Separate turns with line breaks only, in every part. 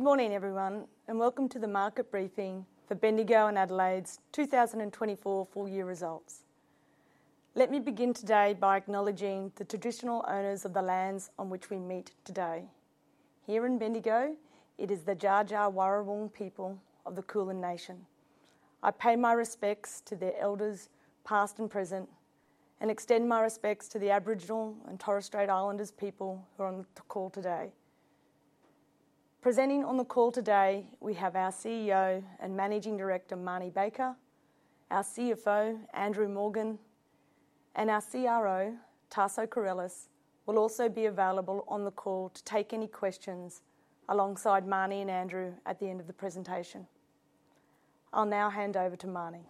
Good morning, everyone, and welcome to the market briefing for Bendigo and Adelaide's 2024 full year results. Let me begin today by acknowledging the traditional owners of the lands on which we meet today. Here in Bendigo, it is the Dja Dja Wurrung people of the Kulin Nation. I pay my respects to their elders, past and present, and extend my respects to the Aboriginal and Torres Strait Islanders people who are on the call today. Presenting on the call today, we have our CEO and Managing Director, Marnie Baker, our CFO, Andrew Morgan, and our CRO, Taso Corolis, will also be available on the call to take any questions alongside Marnie and Andrew at the end of the presentation. I'll now hand over to Marnie.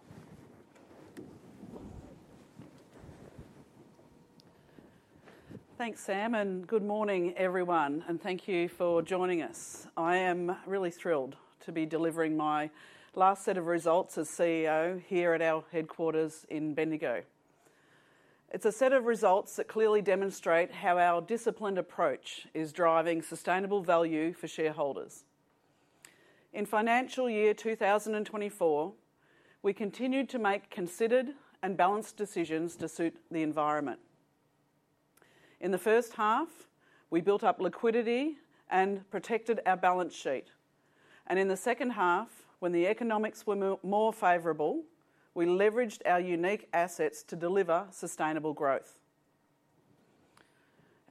Thanks, Sam, and good morning everyone, and thank you for joining us. I am really thrilled to be delivering my last set of results as CEO here at our headquarters in Bendigo. It's a set of results that clearly demonstrate how our disciplined approach is driving sustainable value for shareholders. In financial year 2024, we continued to make considered and balanced decisions to suit the environment. In the first half, we built up liquidity and protected our balance sheet, and in the second half, when the economics were more favorable, we leveraged our unique assets to deliver sustainable growth.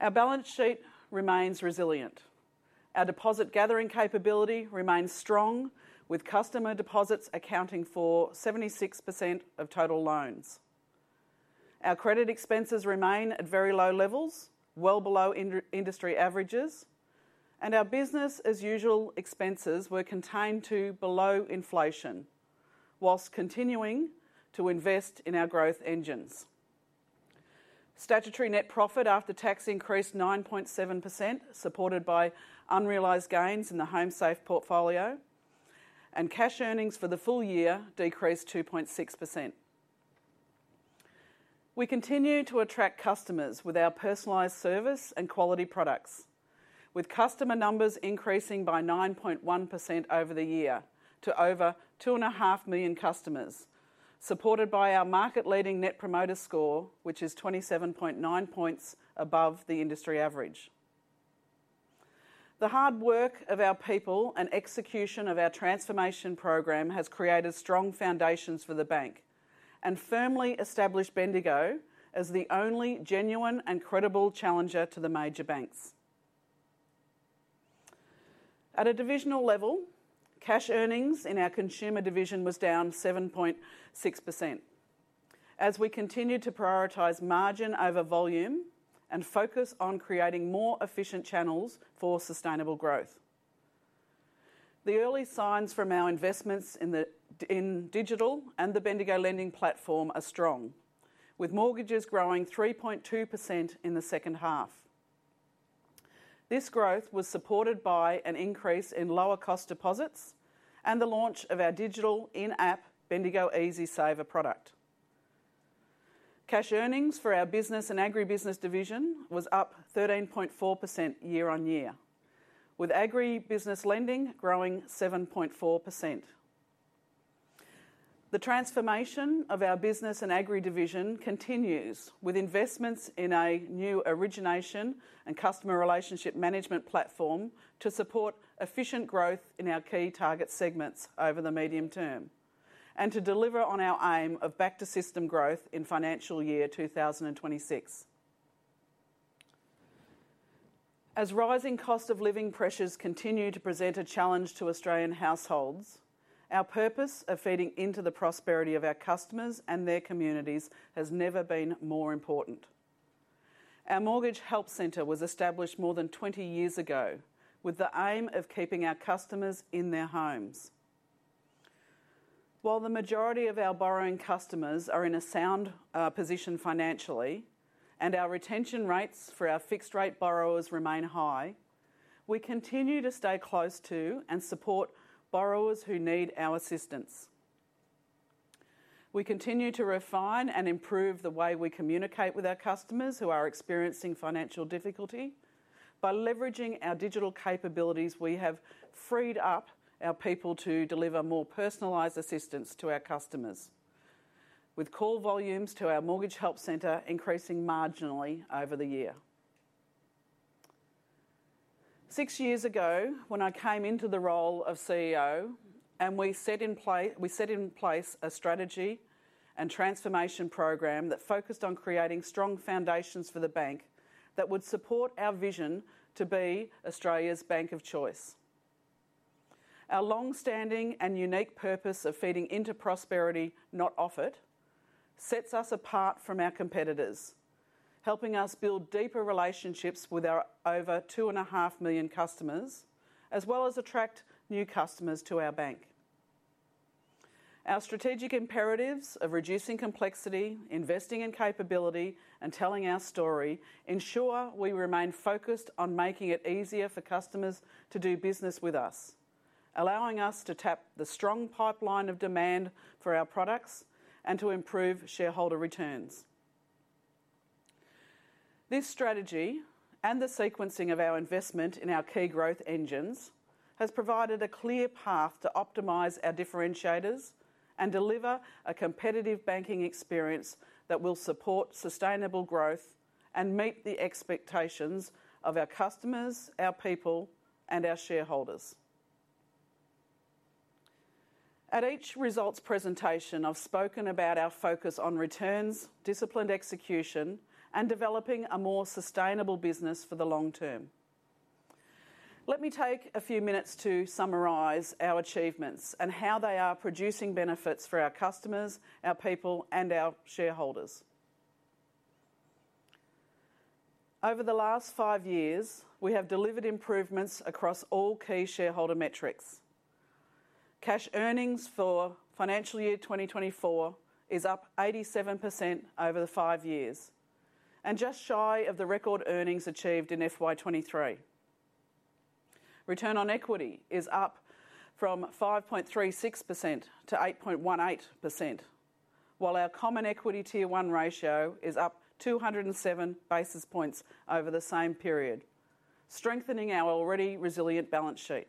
Our balance sheet remains resilient. Our deposit gathering capability remains strong, with customer deposits accounting for 76% of total loans. Our credit expenses remain at very low levels, well below industry averages, and our business as usual expenses were contained to below inflation, while continuing to invest in our growth engines. Statutory net profit after tax increased 9.7%, supported by unrealized gains in the HomeSafe portfolio, and cash earnings for the full year decreased 2.6%. We continue to attract customers with our personalized service and quality products, with customer numbers increasing by 9.1% over the year to over 2.5 million customers, supported by our market-leading Net Promoter Score, which is 27.9 points above the industry average. The hard work of our people and execution of our transformation program has created strong foundations for the bank and firmly established Bendigo as the only genuine and credible challenger to the major banks. At a divisional level, cash earnings in our consumer division was down 7.6%. As we continued to prioritize margin over volume and focus on creating more efficient channels for sustainable growth. The early signs from our investments in digital and the Bendigo Lending Platform are strong, with mortgages growing 3.2% in the second half. This growth was supported by an increase in lower cost deposits and the launch of our digital in-app Bendigo EasySaver product. Cash earnings for our business and agribusiness division was up 13.4% year-on-year, with agribusiness lending growing 7.4%. The transformation of our business and agri division continues with investments in a new origination and customer relationship management platform to support efficient growth in our key target segments over the medium term and to deliver on our aim of back-to-system growth in financial year 2026. As rising cost of living pressures continue to present a challenge to Australian households, our purpose of feeding into the prosperity of our customers and their communities has never been more important. Our Mortgage Help Centre was established more than 20 years ago with the aim of keeping our customers in their homes. While the majority of our borrowing customers are in a sound position financially and our retention rates for our fixed rate borrowers remain high, we continue to stay close to and support borrowers who need our assistance. We continue to refine and improve the way we communicate with our customers who are experiencing financial difficulty. By leveraging our digital capabilities, we have freed up our people to deliver more personalized assistance to our customers, with call volumes to our Mortgage Help Centre increasing marginally over the year. Six years ago, when I came into the role of CEO and we set in place a strategy and transformation program that focused on creating strong foundations for the bank that would support our vision to be Australia's bank of choice. Our long-standing and unique purpose of feeding into prosperity, not off it, sets us apart from our competitors, helping us build deeper relationships with our over 2.5 million customers, as well as attract new customers to our bank. Our strategic imperatives of reducing complexity, investing in capability, and telling our story ensure we remain focused on making it easier for customers to do business with us, allowing us to tap the strong pipeline of demand for our products and to improve shareholder returns. This strategy and the sequencing of our investment in our key growth engines has provided a clear path to optimize our differentiators and deliver a competitive banking experience that will support sustainable growth and meet the expectations of our customers, our people, and our shareholders. At each results presentation, I've spoken about our focus on returns, disciplined execution, and developing a more sustainable business for the long term. Let me take a few minutes to summarize our achievements and how they are producing benefits for our customers, our people, and our shareholders. Over the last five years, we have delivered improvements across all key shareholder metrics. Cash earnings for financial year 2024 is up 87% over the five years, and just shy of the record earnings achieved in FY 2023. Return on equity is up from 5.36% to 8.18%, while our Common Equity Tier 1 ratio is up 207 basis points over the same period, strengthening our already resilient balance sheet.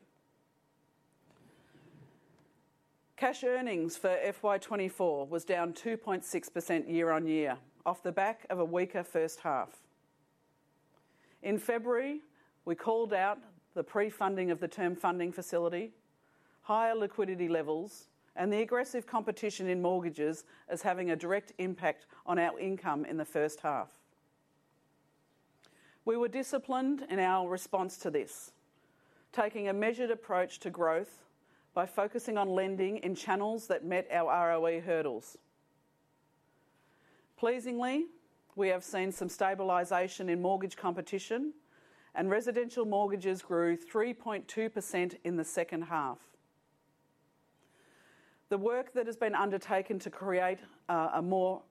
Cash earnings for FY 2024 was down 2.6% year-on-year, off the back of a weaker first half. In February, we called out the pre-funding of the Term Funding Facility, higher liquidity levels, and the aggressive competition in mortgages as having a direct impact on our income in the first half. We were disciplined in our response to this, taking a measured approach to growth by focusing on lending in channels that met our ROE hurdles. Pleasingly, we have seen some stabilization in mortgage competition, and residential mortgages grew 3.2% in the second half. The work that has been undertaken to create a more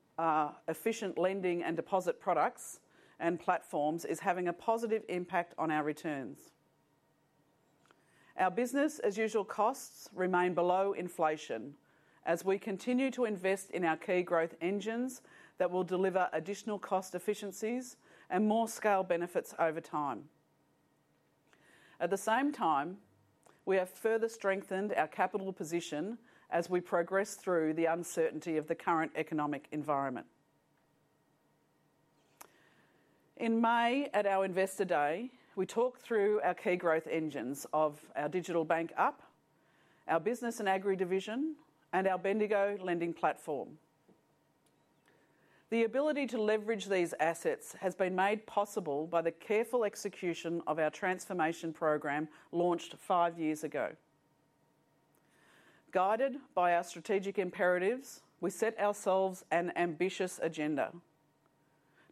efficient lending and deposit products and platforms is having a positive impact on our returns. Our business-as-usual costs remain below inflation as we continue to invest in our key growth engines that will deliver additional cost efficiencies and more scale benefits over time. At the same time, we have further strengthened our capital position as we progress through the uncertainty of the current economic environment. In May, at our Investor Day, we talked through our key growth engines of our digital bank, Up, our business and agri division, and our Bendigo Lending Platform. The ability to leverage these assets has been made possible by the careful execution of our transformation program, launched five years ago. Guided by our strategic imperatives, we set ourselves an ambitious agenda: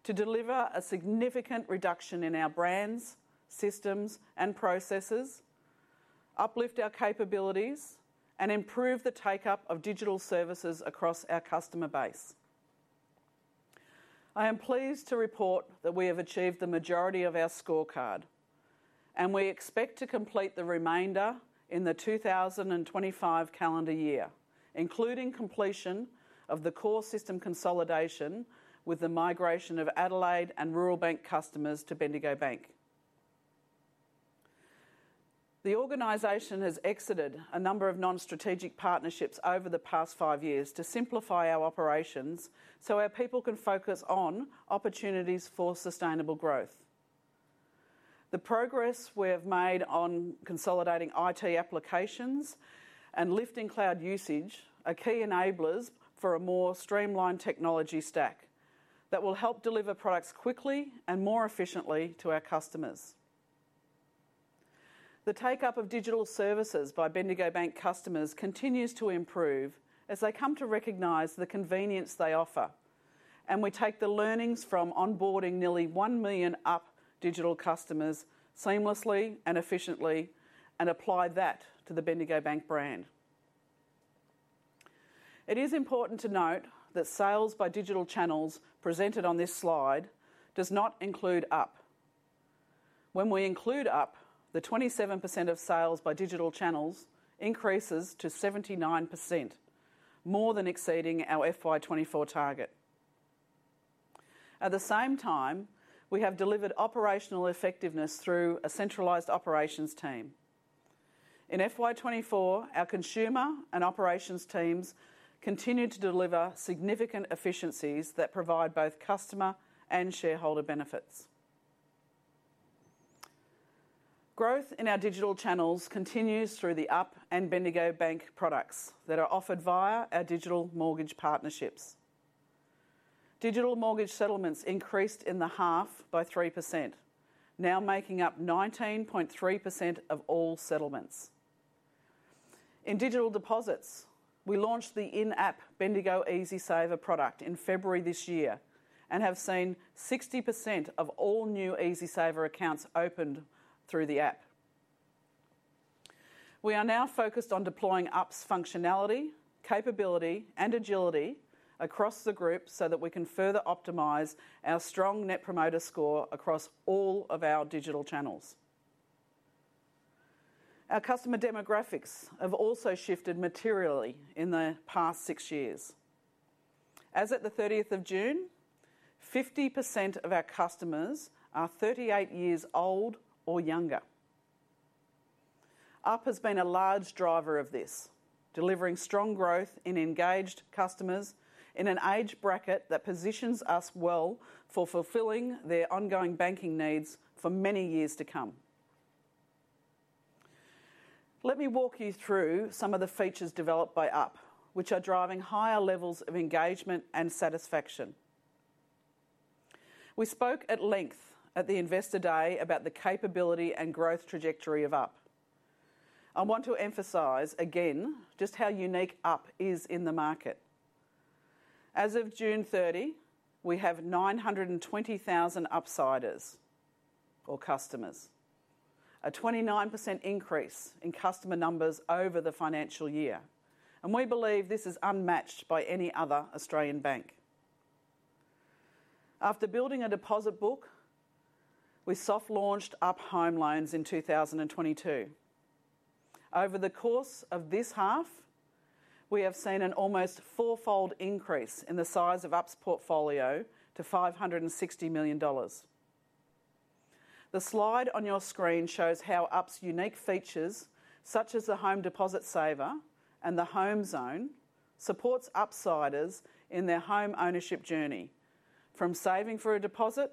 to deliver a significant reduction in our brands, systems, and processes, uplift our capabilities, and improve the take-up of digital services across our customer base. I am pleased to report that we have achieved the majority of our scorecard, and we expect to complete the remainder in the 2025 calendar year, including completion of the core system consolidation with the migration of Adelaide Bank and Rural Bank customers to Bendigo Bank. The organization has exited a number of non-strategic partnerships over the past five years to simplify our operations so our people can focus on opportunities for sustainable growth. The progress we have made on consolidating IT applications and lifting cloud usage are key enablers for a more streamlined technology stack that will help deliver products quickly and more efficiently to our customers. The take-up of digital services by Bendigo Bank customers continues to improve as they come to recognize the convenience they offer, and we take the learnings from onboarding nearly 1 million Up digital customers seamlessly and efficiently and apply that to the Bendigo Bank brand. It is important to note that sales by digital channels presented on this slide does not include Up. When we include Up, the 27% of sales by digital channels increases to 79%, more than exceeding our FY 2024 target. At the same time, we have delivered operational effectiveness through a centralized operations team. In FY 2024, our consumer and operations teams continued to deliver significant efficiencies that provide both customer and shareholder benefits. Growth in our digital channels continues through the Up and Bendigo Bank products that are offered via our digital mortgage partnerships. Digital mortgage settlements increased in the half by 3%, now making up 19.3% of all settlements. In digital deposits, we launched the in-app Bendigo EasySaver product in February this year and have seen 60% of all new EasySaver accounts opened through the app. We are now focused on deploying Up's functionality, capability, and agility across the group so that we can further optimize our strong Net Promoter Score across all of our digital channels. Our customer demographics have also shifted materially in the past six years. As at the 30th of June, 50% of our customers are 38 years old or younger. Up has been a large driver of this, delivering strong growth in engaged customers in an age bracket that positions us well for fulfilling their ongoing banking needs for many years to come. Let me walk you through some of the features developed by Up, which are driving higher levels of engagement and satisfaction. We spoke at length at the Investor Day about the capability and growth trajectory of Up. I want to emphasize again just how unique Up is in the market. As of June 30, we have 920,000 Upsiders or customers, a 29% increase in customer numbers over the financial year, and we believe this is unmatched by any other Australian bank. After building a deposit book, we soft-launched Up Home Loans in 2022. Over the course of this half, we have seen an almost fourfold increase in the size of Up's portfolio to 560 million dollars. The slide on your screen shows how Up's unique features, such as the Home Deposit Saver and the Home Zone, supports Upsiders in their homeownership journey, from saving for a deposit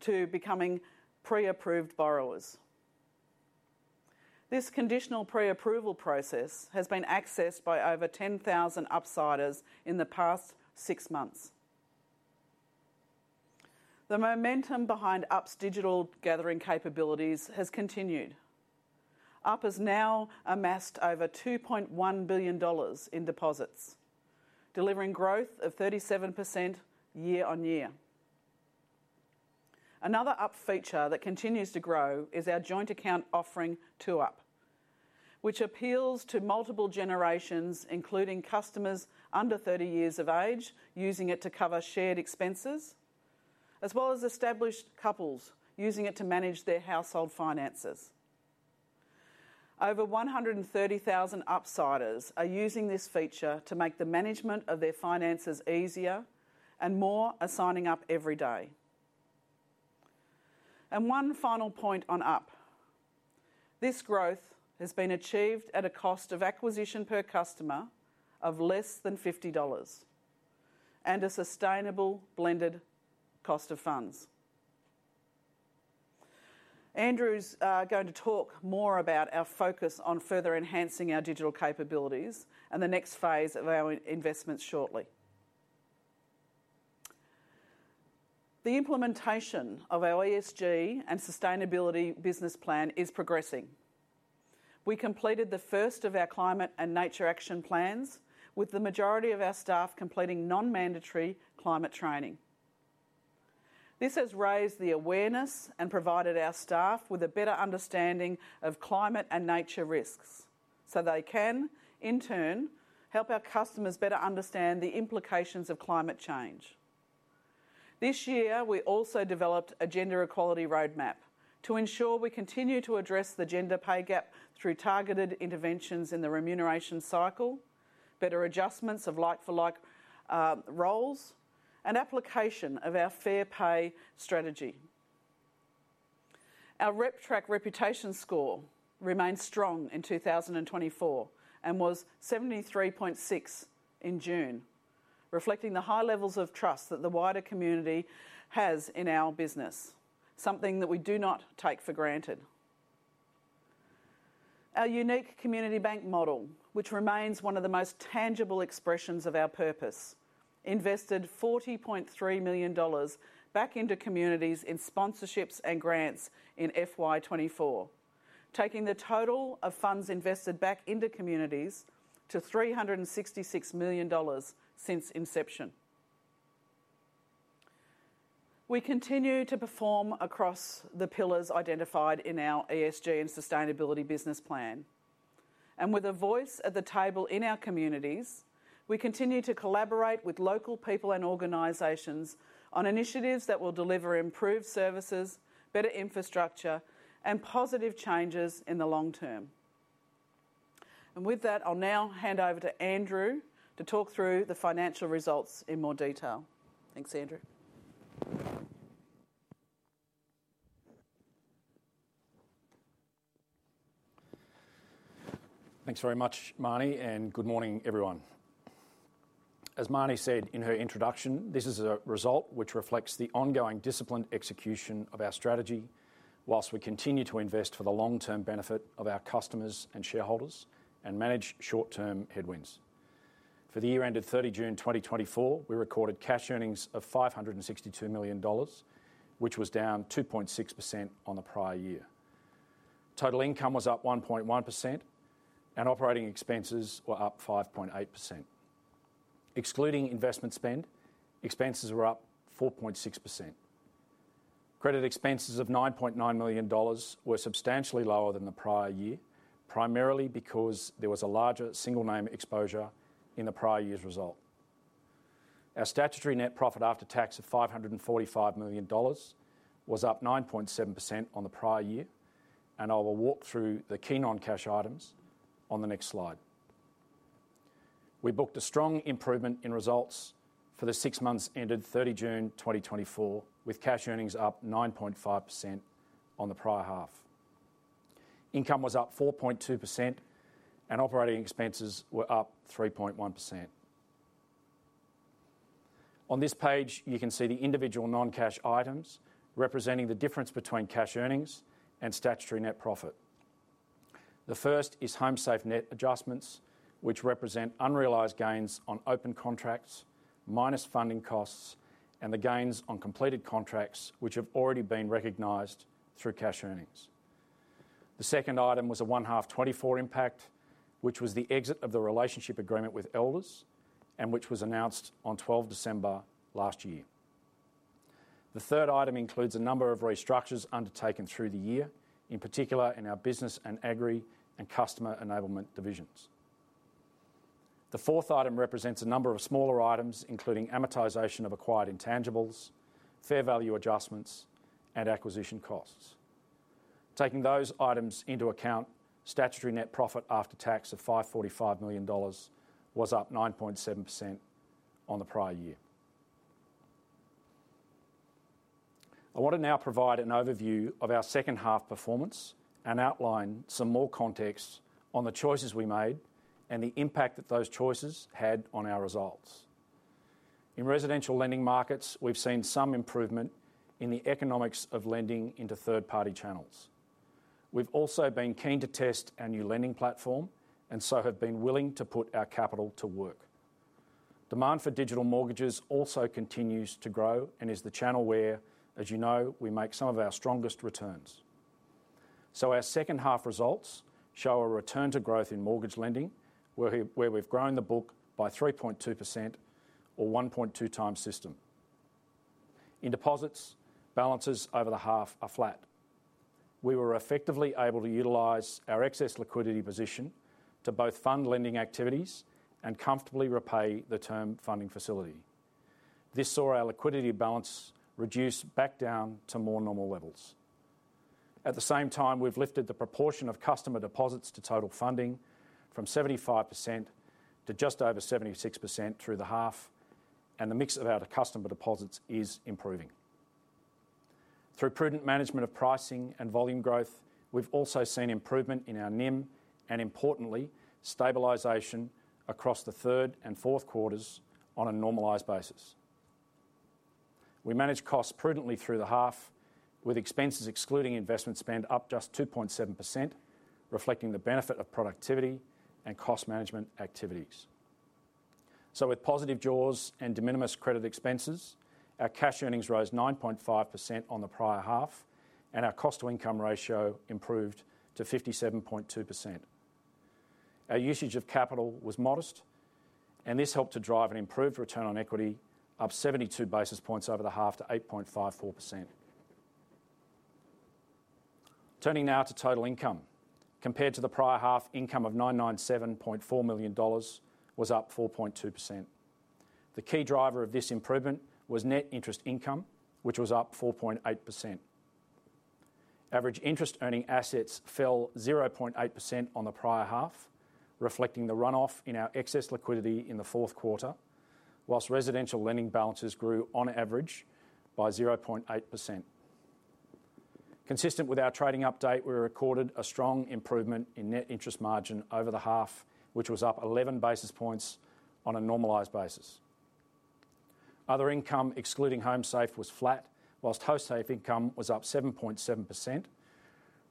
to becoming pre-approved borrowers. This conditional pre-approval process has been accessed by over 10,000 Upsiders in the past six months. The momentum behind Up's digital gathering capabilities has continued. Up has now amassed over 2.1 billion dollars in deposits, delivering growth of 37% year-on-year. Another Up feature that continues to grow is our joint account offering, 2Up, which appeals to multiple generations, including customers under 30 years of age, using it to cover shared expenses, as well as established couples using it to manage their household finances. Over 130,000 Upsiders are using this feature to make the management of their finances easier, and more are signing up every day. One final point on Up. This growth has been achieved at a cost of acquisition per customer of less than 50 dollars and a sustainable blended cost of funds. Andrew's going to talk more about our focus on further enhancing our digital capabilities and the next phase of our investment shortly. The implementation of our ESG and sustainability business plan is progressing. We completed the first of our climate and nature action plans, with the majority of our staff completing non-mandatory climate training. This has raised the awareness and provided our staff with a better understanding of climate and nature risks, so they can, in turn, help our customers better understand the implications of climate change. This year, we also developed a gender equality roadmap to ensure we continue to address the gender pay gap through targeted interventions in the remuneration cycle, better adjustments of like-for-like roles, and application of our fair pay strategy. Our RepTrak reputation score remained strong in 2024 and was 73.6 in June, reflecting the high levels of trust that the wider community has in our business, something that we do not take for granted. Our unique Community Bank model, which remains one of the most tangible expressions of our purpose, invested AUD 40.3 million back into communities in sponsorships and grants in FY 2024, taking the total of funds invested back into communities to 366 million dollars since inception. We continue to perform across the pillars identified in our ESG and sustainability business plan, and with a voice at the table in our communities, we continue to collaborate with local people and organizations on initiatives that will deliver improved services, better infrastructure, and positive changes in the long term, and with that, I'll now hand over to Andrew to talk through the financial results in more detail. Thanks, Andrew.
Thanks very much, Marnie, and good morning, everyone. As Marnie said in her introduction, this is a result which reflects the ongoing disciplined execution of our strategy, while we continue to invest for the long-term benefit of our customers and shareholders and manage short-term headwinds. For the year ended 30 June 2024, we recorded cash earnings of 562 million dollars, which was down 2.6% on the prior year. Total income was up 1.1%, and operating expenses were up 5.8%. Excluding investment spend, expenses were up 4.6%. Credit expenses of 9.9 million dollars were substantially lower than the prior year, primarily because there was a larger single name exposure in the prior year's result.... Our statutory net profit after tax of 545 million dollars was up 9.7% on the prior year, and I will walk through the key non-cash items on the next slide. We booked a strong improvement in results for the six months ended 30 June 2024, with cash earnings up 9.5% on the prior half. Income was up 4.2% and operating expenses were up 3.1%. On this page, you can see the individual non-cash items representing the difference between cash earnings and statutory net profit. The first is HomeSafe net adjustments, which represent unrealized gains on open contracts, minus funding costs, and the gains on completed contracts, which have already been recognized through cash earnings. The second item was a [H1 2024] impact, which was the exit of the relationship agreement with Elders, and which was announced on 12 December last year. The third item includes a number of restructures undertaken through the year, in particular in our business and agri and customer enablement divisions. The fourth item represents a number of smaller items, including amortization of acquired intangibles, fair value adjustments, and acquisition costs. Taking those items into account, statutory net profit after tax of 545 million dollars was up 9.7% on the prior year. I want to now provide an overview of our second half performance and outline some more context on the choices we made and the impact that those choices had on our results. In residential lending markets, we've seen some improvement in the economics of lending into third-party channels. We've also been keen to test our new lending platform and so have been willing to put our capital to work. Demand for digital mortgages also continues to grow and is the channel where, as you know, we make some of our strongest returns. So our second half results show a return to growth in mortgage lending, where we've grown the book by 3.2% or 1.2x system. In deposits, balances over the half are flat. We were effectively able to utilize our excess liquidity position to both fund lending activities and comfortably repay the term funding facility. This saw our liquidity balance reduce back down to more normal levels. At the same time, we've lifted the proportion of customer deposits to total funding from 75% to just over 76% through the half, and the mix of our customer deposits is improving. Through prudent management of pricing and volume growth, we've also seen improvement in our NIM and importantly, stabilization across the third and fourth quarters on a normalized basis. We managed costs prudently through the half, with expenses excluding investment spend up just 2.7%, reflecting the benefit of productivity and cost management activities. So with positive jaws and de minimis credit expenses, our cash earnings rose 9.5% on the prior half, and our cost to income ratio improved to 57.2%. Our usage of capital was modest, and this helped to drive an improved return on equity, up 72 basis points over the half to 8.54%. Turning now to total income. Compared to the prior half, income of 997.4 million dollars was up 4.2%. The key driver of this improvement was net interest income, which was up 4.8%. Average interest earning assets fell 0.8% on the prior half, reflecting the run-off in our excess liquidity in the fourth quarter, while residential lending balances grew on average by 0.8%. Consistent with our trading update, we recorded a strong improvement in net interest margin over the half, which was up 11 basis points on a normalized basis. Other income, excluding HomeSafe, was flat, while HomeSafe income was up 7.7%,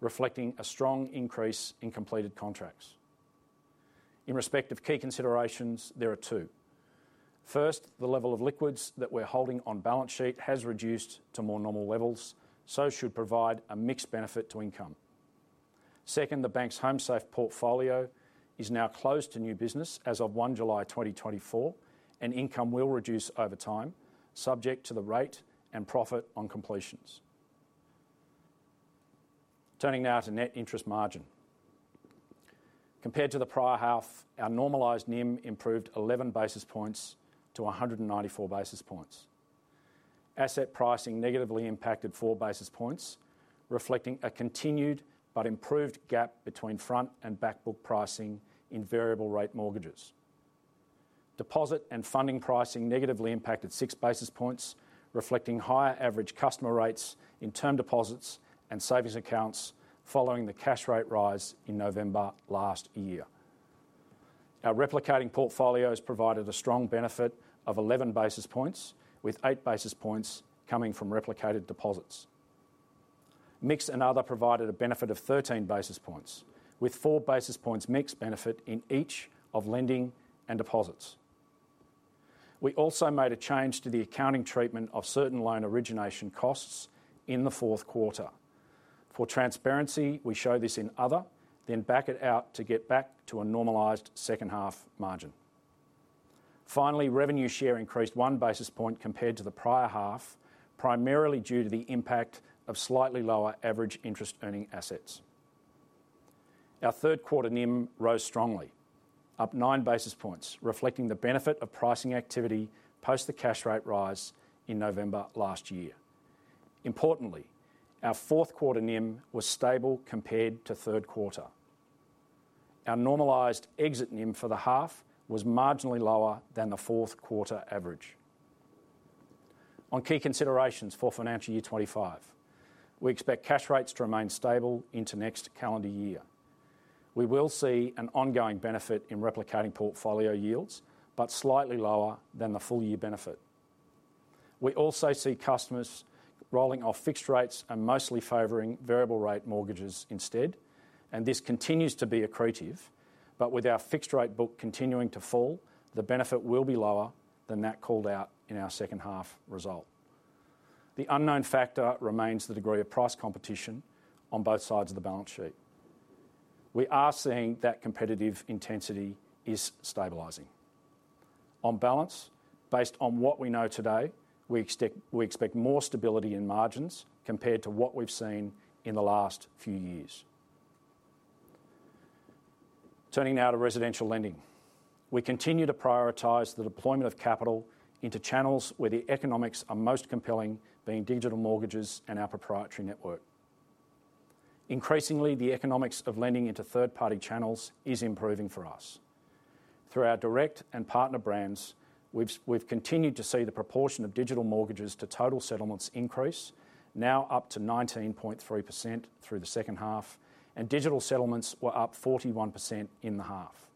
reflecting a strong increase in completed contracts. In respect of key considerations, there are two: First, the level of liquids that we're holding on balance sheet has reduced to more normal levels, so should provide a mixed benefit to income. Second, the bank's HomeSafe portfolio is now closed to new business as of 1 July 2024, and income will reduce over time, subject to the rate and profit on completions. Turning now to net interest margin. Compared to the prior half, our normalized NIM improved 11 basis points to 194 basis points. Asset pricing negatively impacted 4 basis points, reflecting a continued but improved gap between front book and back book pricing in variable rate mortgages. Deposit and funding pricing negatively impacted six basis points, reflecting higher average customer rates in term deposits and savings accounts following the cash rate rise in November last year. Our replicating portfolios provided a strong benefit of 11 basis points, with 8 basis points coming from replicated deposits. Mixed and other provided a benefit of 13 basis points, with 4 basis points mixed benefit in each of lending and deposits. We also made a change to the accounting treatment of certain loan origination costs in the fourth quarter. For transparency, we show this in other, then back it out to get back to a normalized second half margin. Finally, revenue share increased one basis point compared to the prior half, primarily due to the impact of slightly lower average interest earning assets. Our third quarter NIM rose strongly, up nine basis points, reflecting the benefit of pricing activity post the cash rate rise in November last year. Importantly, our fourth quarter NIM was stable compared to third quarter. Our normalized exit NIM for the half was marginally lower than the fourth quarter average. On key considerations for financial year 2025, we expect cash rates to remain stable into next calendar year. We will see an ongoing benefit in replicating portfolio yields, but slightly lower than the full year benefit. We also see customers rolling off fixed rates and mostly favoring variable rate mortgages instead, and this continues to be accretive. But with our fixed rate book continuing to fall, the benefit will be lower than that called out in our second half result. The unknown factor remains the degree of price competition on both sides of the balance sheet. We are seeing that competitive intensity is stabilizing. On balance, based on what we know today, we expect more stability in margins compared to what we've seen in the last few years. Turning now to residential lending. We continue to prioritize the deployment of capital into channels where the economics are most compelling, being digital mortgages and our proprietary network. Increasingly, the economics of lending into third-party channels is improving for us. Through our direct and partner brands, we've continued to see the proportion of digital mortgages to total settlements increase, now up to 19.3% through the second half, and digital settlements were up 41% in the half.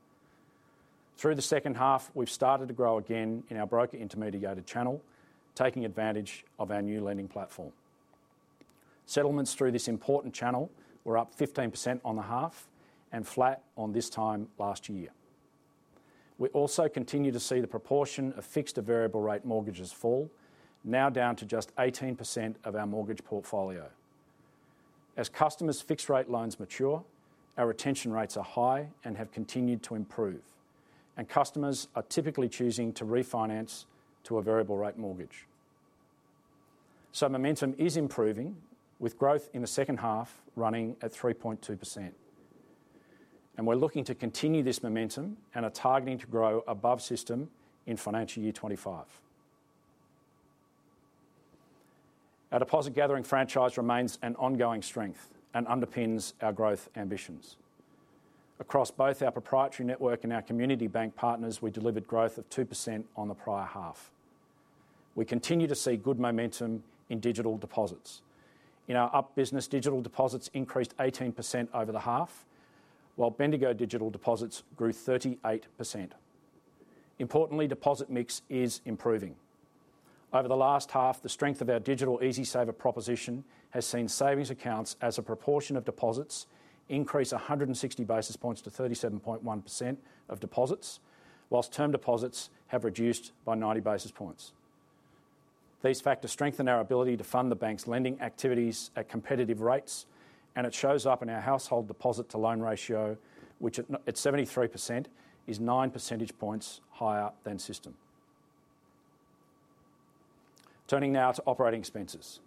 Through the second half, we've started to grow again in our broker intermediated channel, taking advantage of our new lending platform. Settlements through this important channel were up 15% on the half and flat on this time last year. We also continue to see the proportion of fixed to variable rate mortgages fall, now down to just 18% of our mortgage portfolio. As customers' fixed rate loans mature, our retention rates are high and have continued to improve, and customers are typically choosing to refinance to a variable rate mortgage. So momentum is improving, with growth in the second half running at 3.2%. And we're looking to continue this momentum and are targeting to grow above system in financial year 2025. Our deposit gathering franchise remains an ongoing strength and underpins our growth ambitions. Across both our proprietary network and our community bank partners, we delivered growth of 2% on the prior half. We continue to see good momentum in digital deposits. In our Up business, digital deposits increased 18% over the half, while Bendigo digital deposits grew 38%. Importantly, deposit mix is improving. Over the last half, the strength of our digital EasySaver proposition has seen savings accounts as a proportion of deposits increase 160 basis points to 37.1% of deposits, while term deposits have reduced by 90 basis points. These factors strengthen our ability to fund the bank's lending activities at competitive rates, and it shows up in our household deposit to loan ratio, which at 73%, is 9 percentage points higher than system. Turning now to operating expenses.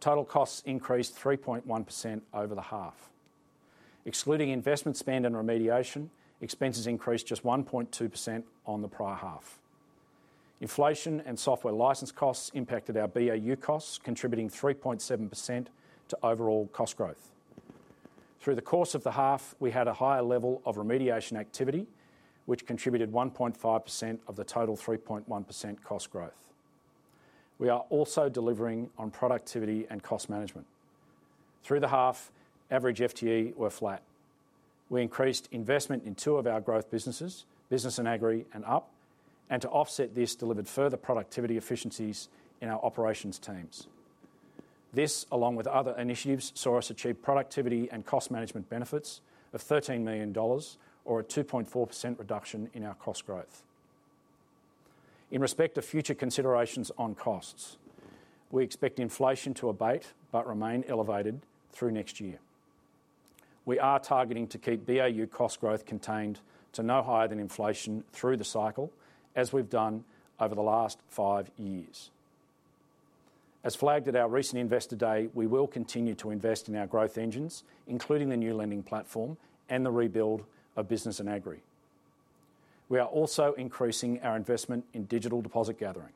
Total costs increased 3.1% over the half. Excluding investment spend and remediation, expenses increased just 1.2% on the prior half. Inflation and software license costs impacted our BAU costs, contributing 3.7% to overall cost growth. Through the course of the half, we had a higher level of remediation activity, which contributed 1.5% of the total 3.1% cost growth. We are also delivering on productivity and cost management. Through the half, average FTE were flat. We increased investment in two of our growth businesses, business and agri and Up, and to offset this, delivered further productivity efficiencies in our operations teams. This, along with other initiatives, saw us achieve productivity and cost management benefits of $13 million or a 2.4% reduction in our cost growth. In respect to future considerations on costs, we expect inflation to abate, but remain elevated through next year. We are targeting to keep BAU cost growth contained to no higher than inflation through the cycle, as we've done over the last five years. As flagged at our recent Investor Day, we will continue to invest in our growth engines, including the new lending platform and the rebuild of business and agri. We are also increasing our investment in digital deposit gathering.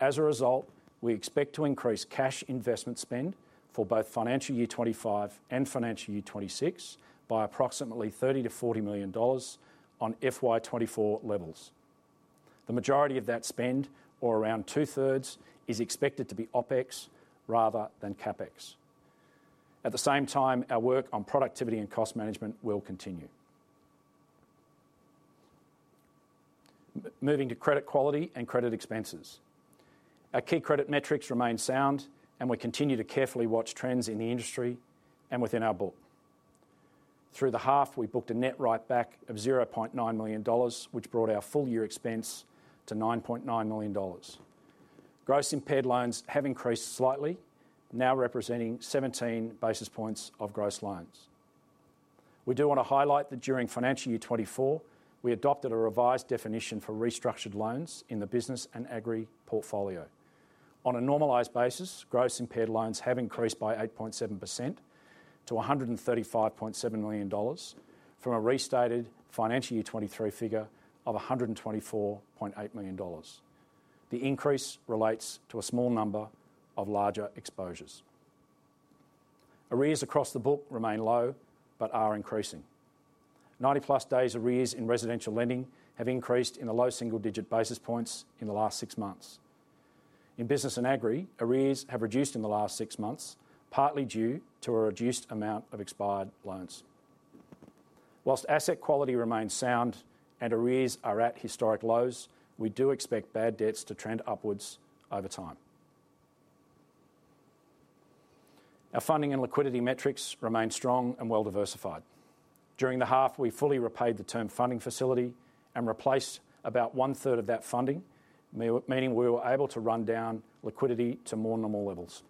As a result, we expect to increase cash investment spend for both financial year 2025 and financial year 2026 by approximately 30 million-40 million dollars on FY 2024 levels. The majority of that spend, or around 2/3, is expected to be OpEx rather than CapEx. At the same time, our work on productivity and cost management will continue. Moving to credit quality and credit expenses. Our key credit metrics remain sound, and we continue to carefully watch trends in the industry and within our book. Through the half, we booked a net write-back of 0.9 million dollars, which brought our full year expense to 9.9 million dollars. Gross impaired loans have increased slightly, now representing 17 basis points of gross loans. We do want to highlight that during financial year 2024, we adopted a revised definition for restructured loans in the business and agri portfolio. On a normalized basis, gross impaired loans have increased by 8.7% to 135.7 million dollars, from a restated financial year 2023 figure of 124.8 million dollars. The increase relates to a small number of larger exposures. Arrears across the book remain low, but are increasing. 90+ days arrears in residential lending have increased in the low single-digit basis points in the last six months. In business and agri, arrears have reduced in the last six months, partly due to a reduced amount of expired loans. While asset quality remains sound and arrears are at historic lows, we do expect bad debts to trend upwards over time. Our funding and liquidity metrics remain strong and well diversified. During the half, we fully repaid the term funding facility and replaced about one third of that funding, meaning we were able to run down liquidity to more normal levels.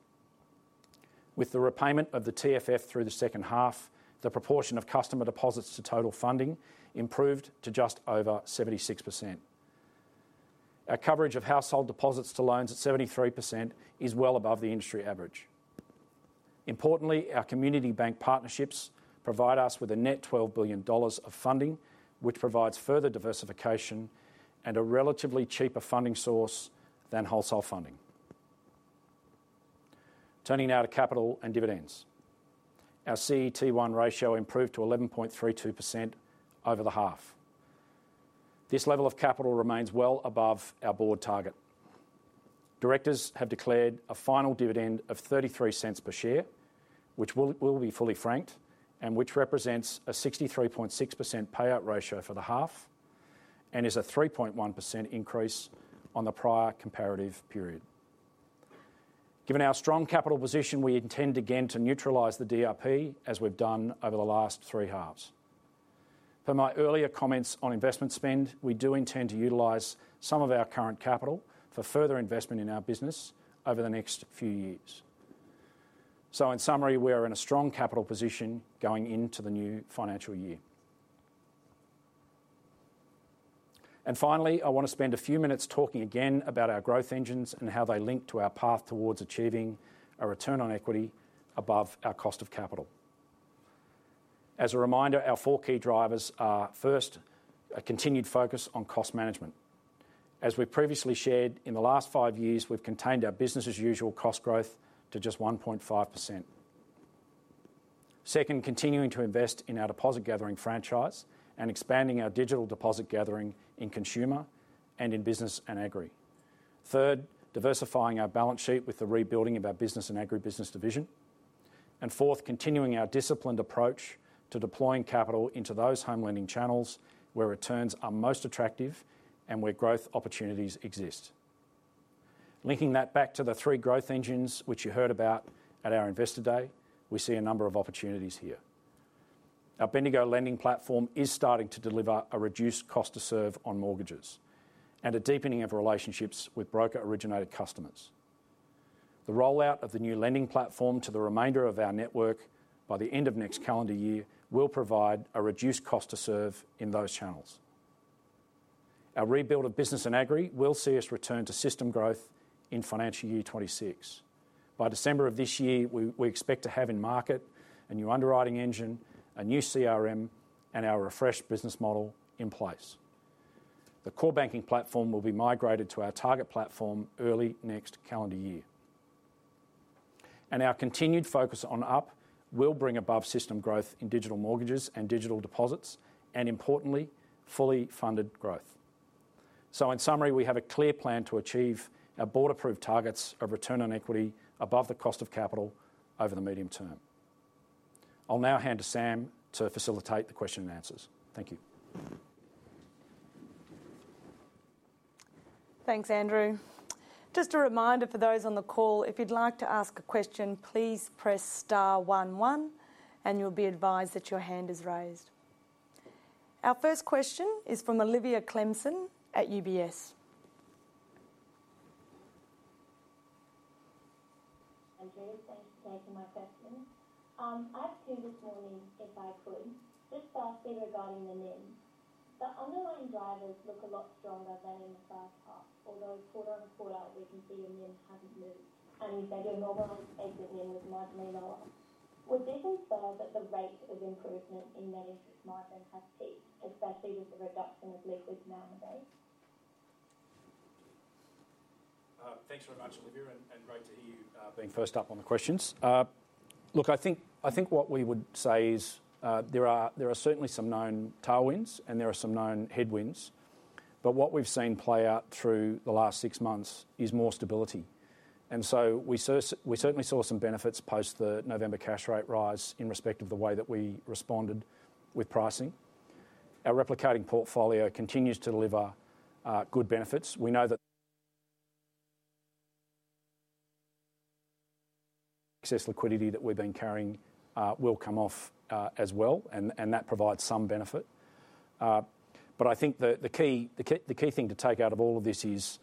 With the repayment of the TFF through the second half, the proportion of customer deposits to total funding improved to just over 76%. Our coverage of household deposits to loans at 73% is well above the industry average. Importantly, our community bank partnerships provide us with a net 12 billion dollars of funding, which provides further diversification and a relatively cheaper funding source than wholesale funding. Turning now to capital and dividends. Our CET1 ratio improved to 11.32% over the half. This level of capital remains well above our board target. Directors have declared a final dividend of 0.33 per share, which will be fully franked, and which represents a 63.6% payout ratio for the half, and is a 3.1% increase on the prior comparative period. Given our strong capital position, we intend again to neutralize the DRP, as we've done over the last three halves. Per my earlier comments on investment spend, we do intend to utilize some of our current capital for further investment in our business over the next few years. So in summary, we are in a strong capital position going into the new financial year. And finally, I want to spend a few minutes talking again about our growth engines and how they link to our path towards achieving a return on equity above our cost of capital. As a reminder, our four key drivers are, first, a continued focus on cost management. As we previously shared, in the last five years, we've contained our business as usual cost growth to just 1.5%. Second, continuing to invest in our deposit gathering franchise and expanding our digital deposit gathering in consumer and in business and agri. Third, diversifying our balance sheet with the rebuilding of our business and agri business division. And fourth, continuing our disciplined approach to deploying capital into those home lending channels where returns are most attractive and where growth opportunities exist. Linking that back to the three growth engines, which you heard about at our Investor Day, we see a number of opportunities here. Our Bendigo Lending Platform is starting to deliver a reduced cost to serve on mortgages and a deepening of relationships with broker-originated customers. The rollout of the new lending platform to the remainder of our network by the end of next calendar year will provide a reduced cost to serve in those channels. Our rebuild of business and agri will see us return to system growth in financial year 2026. By December of this year, we expect to have in market a new underwriting engine, a new CRM, and our refreshed business model in place. The core banking platform will be migrated to our target platform early next calendar year. And our continued focus on Up will bring above-system growth in digital mortgages and digital deposits, and importantly, fully funded growth. So in summary, we have a clear plan to achieve our board-approved targets of return on equity above the cost of capital over the medium term. I'll now hand to Sam to facilitate the question and answers. Thank you.
Thanks, Andrew. Just a reminder for those on the call, if you'd like to ask a question, please press star one one, and you'll be advised that your hand is raised. Our first question is from Olivia Clemson at UBS.
Andrew, thanks for taking my question. I'd start this morning, if I could, just lastly, regarding the NIM. The underlying drivers look a lot stronger than in the first half, although quarter-on-quarter, we can see your NIM hasn't moved, and you said your normal exit NIM was [1.95%], might mean a lot. Would this imply that the rate of improvement in net interest margin has peaked, especially with the reduction of liquidity now on the rate?
Thanks very much, Olivia, and great to hear you being first up on the questions. Look, I think what we would say is there are certainly some known tailwinds, and there are some known headwinds, but what we've seen play out through the last six months is more stability. And so we certainly saw some benefits post the November cash rate rise in respect of the way that we responded with pricing. Our replicating portfolio continues to deliver good benefits. We know that excess liquidity that we've been carrying will come off as well, and that provides some benefit. But I think the key thing to take out of all of this is,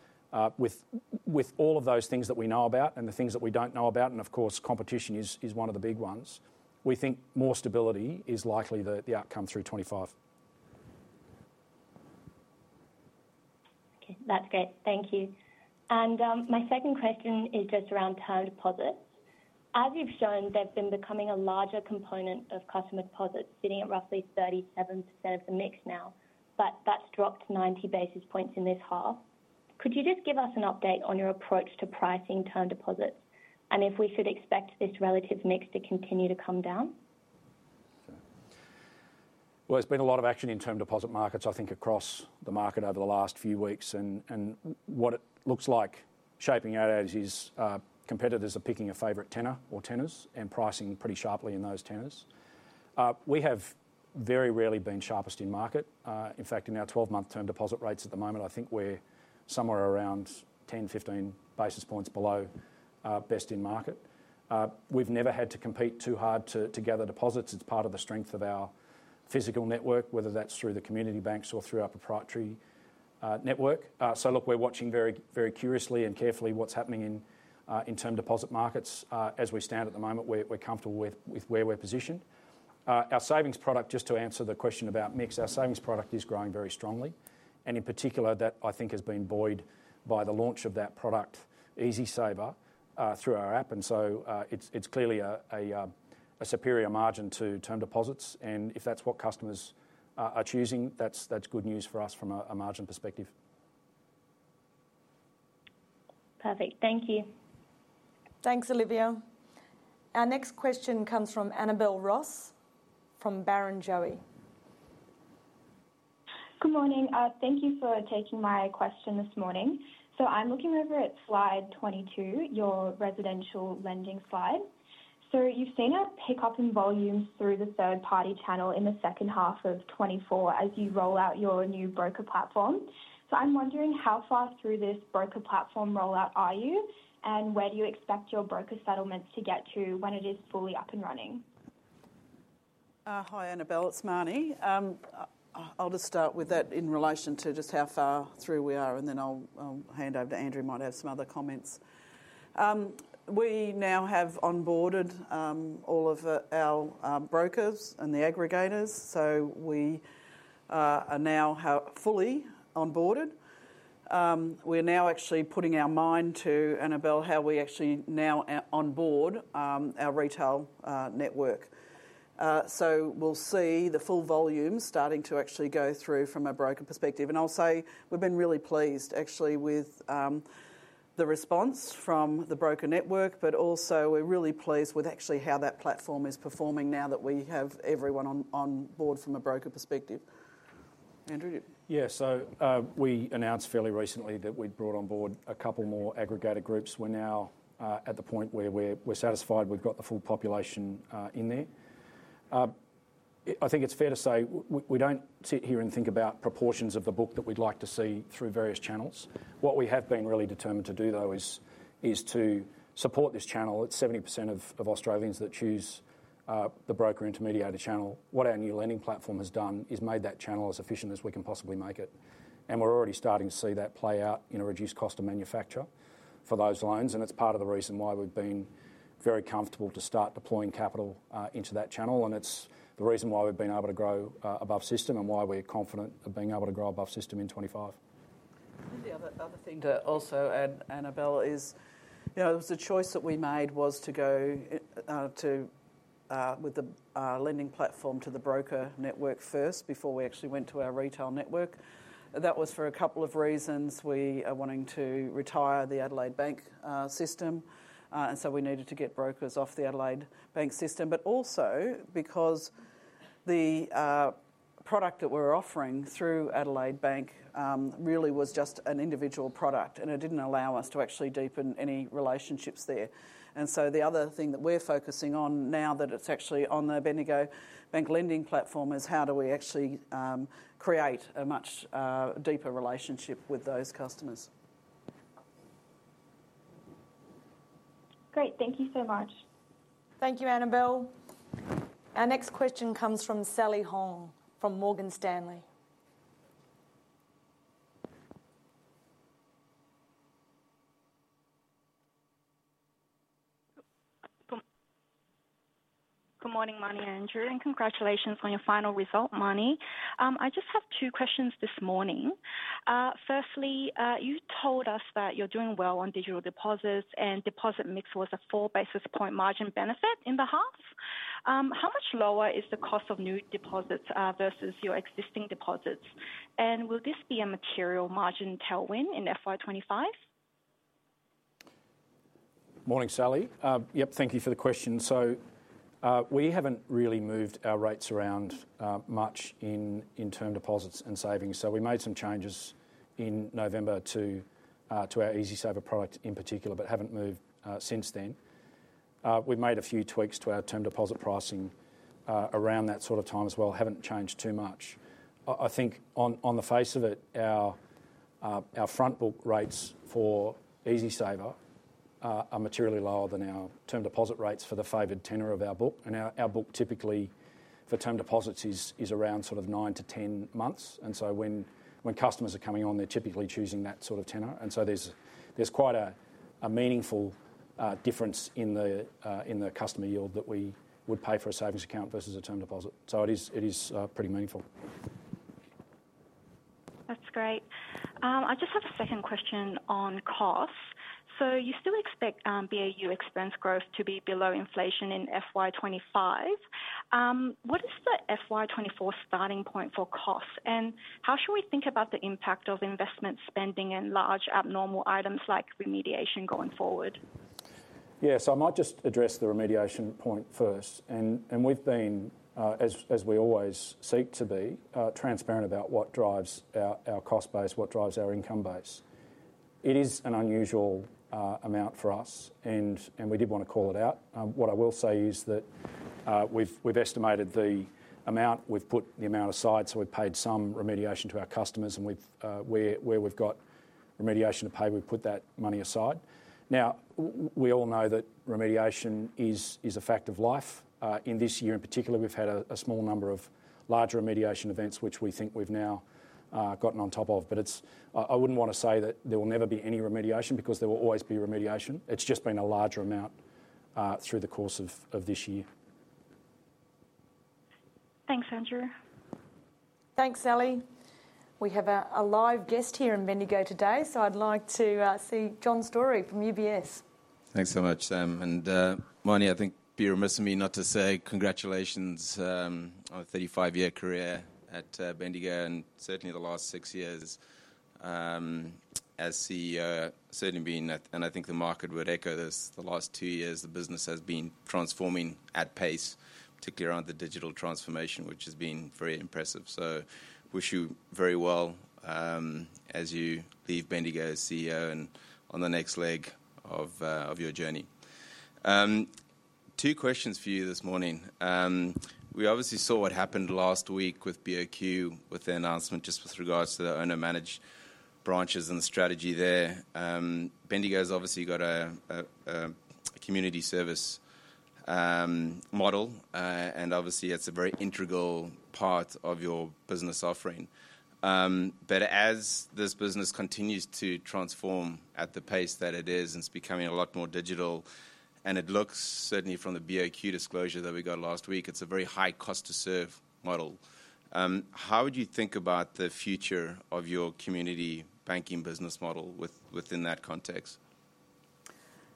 with all of those things that we know about and the things that we don't know about, and of course, competition is one of the big ones. We think more stability is likely the outcome through 2025.
Okay, that's great. Thank you. And, my second question is just around term deposits. As you've shown, they've been becoming a larger component of customer deposits, sitting at roughly 37% of the mix now, but that's dropped ninety basis points in this half. Could you just give us an update on your approach to pricing term deposits, and if we should expect this relative mix to continue to come down?
There's been a lot of action in term deposit markets, I think, across the market over the last few weeks, and what it looks like shaping out as is, competitors are picking a favorite tenor or tenors and pricing pretty sharply in those tenors. We have very rarely been sharpest in market. In fact, in our 12-month term deposit rates at the moment, I think we're somewhere around 10, 15 basis points below best in market. We've never had to compete too hard to gather deposits. It's part of the strength of our physical network, whether that's through the community banks or through our proprietary network. So look, we're watching very curiously and carefully what's happening in term deposit markets. As we stand at the moment, we're comfortable with where we're positioned. Our savings product, just to answer the question about mix, our savings product is growing very strongly, and in particular, that I think has been buoyed by the launch of that product, EasySaver, through our app. And so, it's clearly a superior margin to term deposits, and if that's what customers are choosing, that's good news for us from a margin perspective.
Perfect. Thank you.
Thanks, Olivia. Our next question comes from Annabel Ross, from Barrenjoey.
Good morning. Thank you for taking my question this morning. So I'm looking over at slide 22, your residential lending slide. So you've seen a pickup in volumes through the third-party channel in the second half of 2024 as you roll out your new broker platform. So I'm wondering how far through this broker platform rollout are you, and where do you expect your broker settlements to get to when it is fully up and running?
Hi, Annabel, it's Marnie. I'll just start with that in relation to just how far through we are, and then I'll hand over to Andrew, might have some other comments. We now have onboarded all of our brokers and the aggregators, so we are now fully onboarded. We're now actually putting our mind to, Annabel, how we actually now onboard our retail network. So we'll see the full volume starting to actually go through from a broker perspective. And I'll say, we've been really pleased actually with the response from the broker network, but also we're really pleased with actually how that platform is performing now that we have everyone on board from a broker perspective. Andrew?
Yeah, so, we announced fairly recently that we'd brought on board a couple more aggregator groups. We're now at the point where we're satisfied we've got the full population in there. I think it's fair to say we don't sit here and think about proportions of the book that we'd like to see through various channels. What we have been really determined to do, though, is to support this channel. It's 70% of Australians that choose the broker intermediated channel. What our new lending platform has done is made that channel as efficient as we can possibly make it, and we're already starting to see that play out in a reduced cost of manufacture for those loans. And it's part of the reason why we've been very comfortable to start deploying capital into that channel, and it's the reason why we've been able to grow above system and why we're confident of being able to grow above system in 2025.
The other thing to also add, Annabel, is, you know, it was a choice that we made was to go with the lending platform to the broker network first before we actually went to our retail network. That was for a couple of reasons. We are wanting to retire the Adelaide Bank system, and so we needed to get brokers off the Adelaide Bank system, but also because the product that we're offering through Adelaide Bank really was just an individual product, and it didn't allow us to actually deepen any relationships there. So the other thing that we're focusing on now that it's actually on the Bendigo Bank lending platform is how do we actually create a much deeper relationship with those customers.
Great. Thank you so much.
Thank you, Annabel. Our next question comes from Sally Hong, from Morgan Stanley.
Good morning, Marnie and Andrew, and congratulations on your final result, Marnie. I just have two questions this morning. Firstly, you told us that you're doing well on digital deposits, and deposit mix was a 4 basis points margin benefit in the half. How much lower is the cost of new deposits versus your existing deposits? And will this be a material margin tailwind in FY 2025?
Morning, Sally. Yep, thank you for the question. So, we haven't really moved our rates around much in term deposits and savings. So we made some changes in November to our EasySaver product in particular, but haven't moved since then. We've made a few tweaks to our term deposit pricing around that sort of time as well, haven't changed too much. I think on the face of it, our front book rates for EasySaver are materially lower than our term deposit rates for the favored tenor of our book. And our book typically for term deposits is around sort of nine to 10 months, and so when customers are coming on, they're typically choosing that sort of tenor. And so there's quite a meaningful-... Difference in the customer yield that we would pay for a savings account versus a term deposit. So it is pretty meaningful.
That's great. I just have a second question on costs. So you still expect BAU expense growth to be below inflation in FY 2025. What is the FY 2024 starting point for costs, and how should we think about the impact of investment spending and large abnormal items like remediation going forward?
Yeah, so I might just address the remediation point first. We've been, as we always seek to be, transparent about what drives our cost base, what drives our income base. It is an unusual amount for us, and we did want to call it out. What I will say is that we've estimated the amount, we've put the amount aside, so we've paid some remediation to our customers, and where we've got remediation to pay, we've put that money aside. Now, we all know that remediation is a fact of life. In this year in particular, we've had a small number of large remediation events, which we think we've now gotten on top of. But I wouldn't want to say that there will never be any remediation, because there will always be remediation. It's just been a larger amount through the course of this year.
Thanks, Andrew.
Thanks, Sally. We have a live guest here in Bendigo today, so I'd like to see John Storey from UBS.
Thanks so much. And, Marnie, I think you'd be remiss of me not to say congratulations on a 35-year career at Bendigo, and certainly the last six years as CEO. Certainly been... and I think the market would echo this, the last two years, the business has been transforming at pace, particularly around the digital transformation, which has been very impressive. So wish you very well as you leave Bendigo as CEO and on the next leg of your journey. Two questions for you this morning. We obviously saw what happened last week with BOQ, with their announcement, just with regards to the owner-managed branches and the strategy there. Bendigo's obviously got a community service model, and obviously, it's a very integral part of your business offering. But as this business continues to transform at the pace that it is, and it's becoming a lot more digital, and it looks, certainly from the BOQ disclosure that we got last week, it's a very high cost to serve model. How would you think about the future of your community banking business model within that context?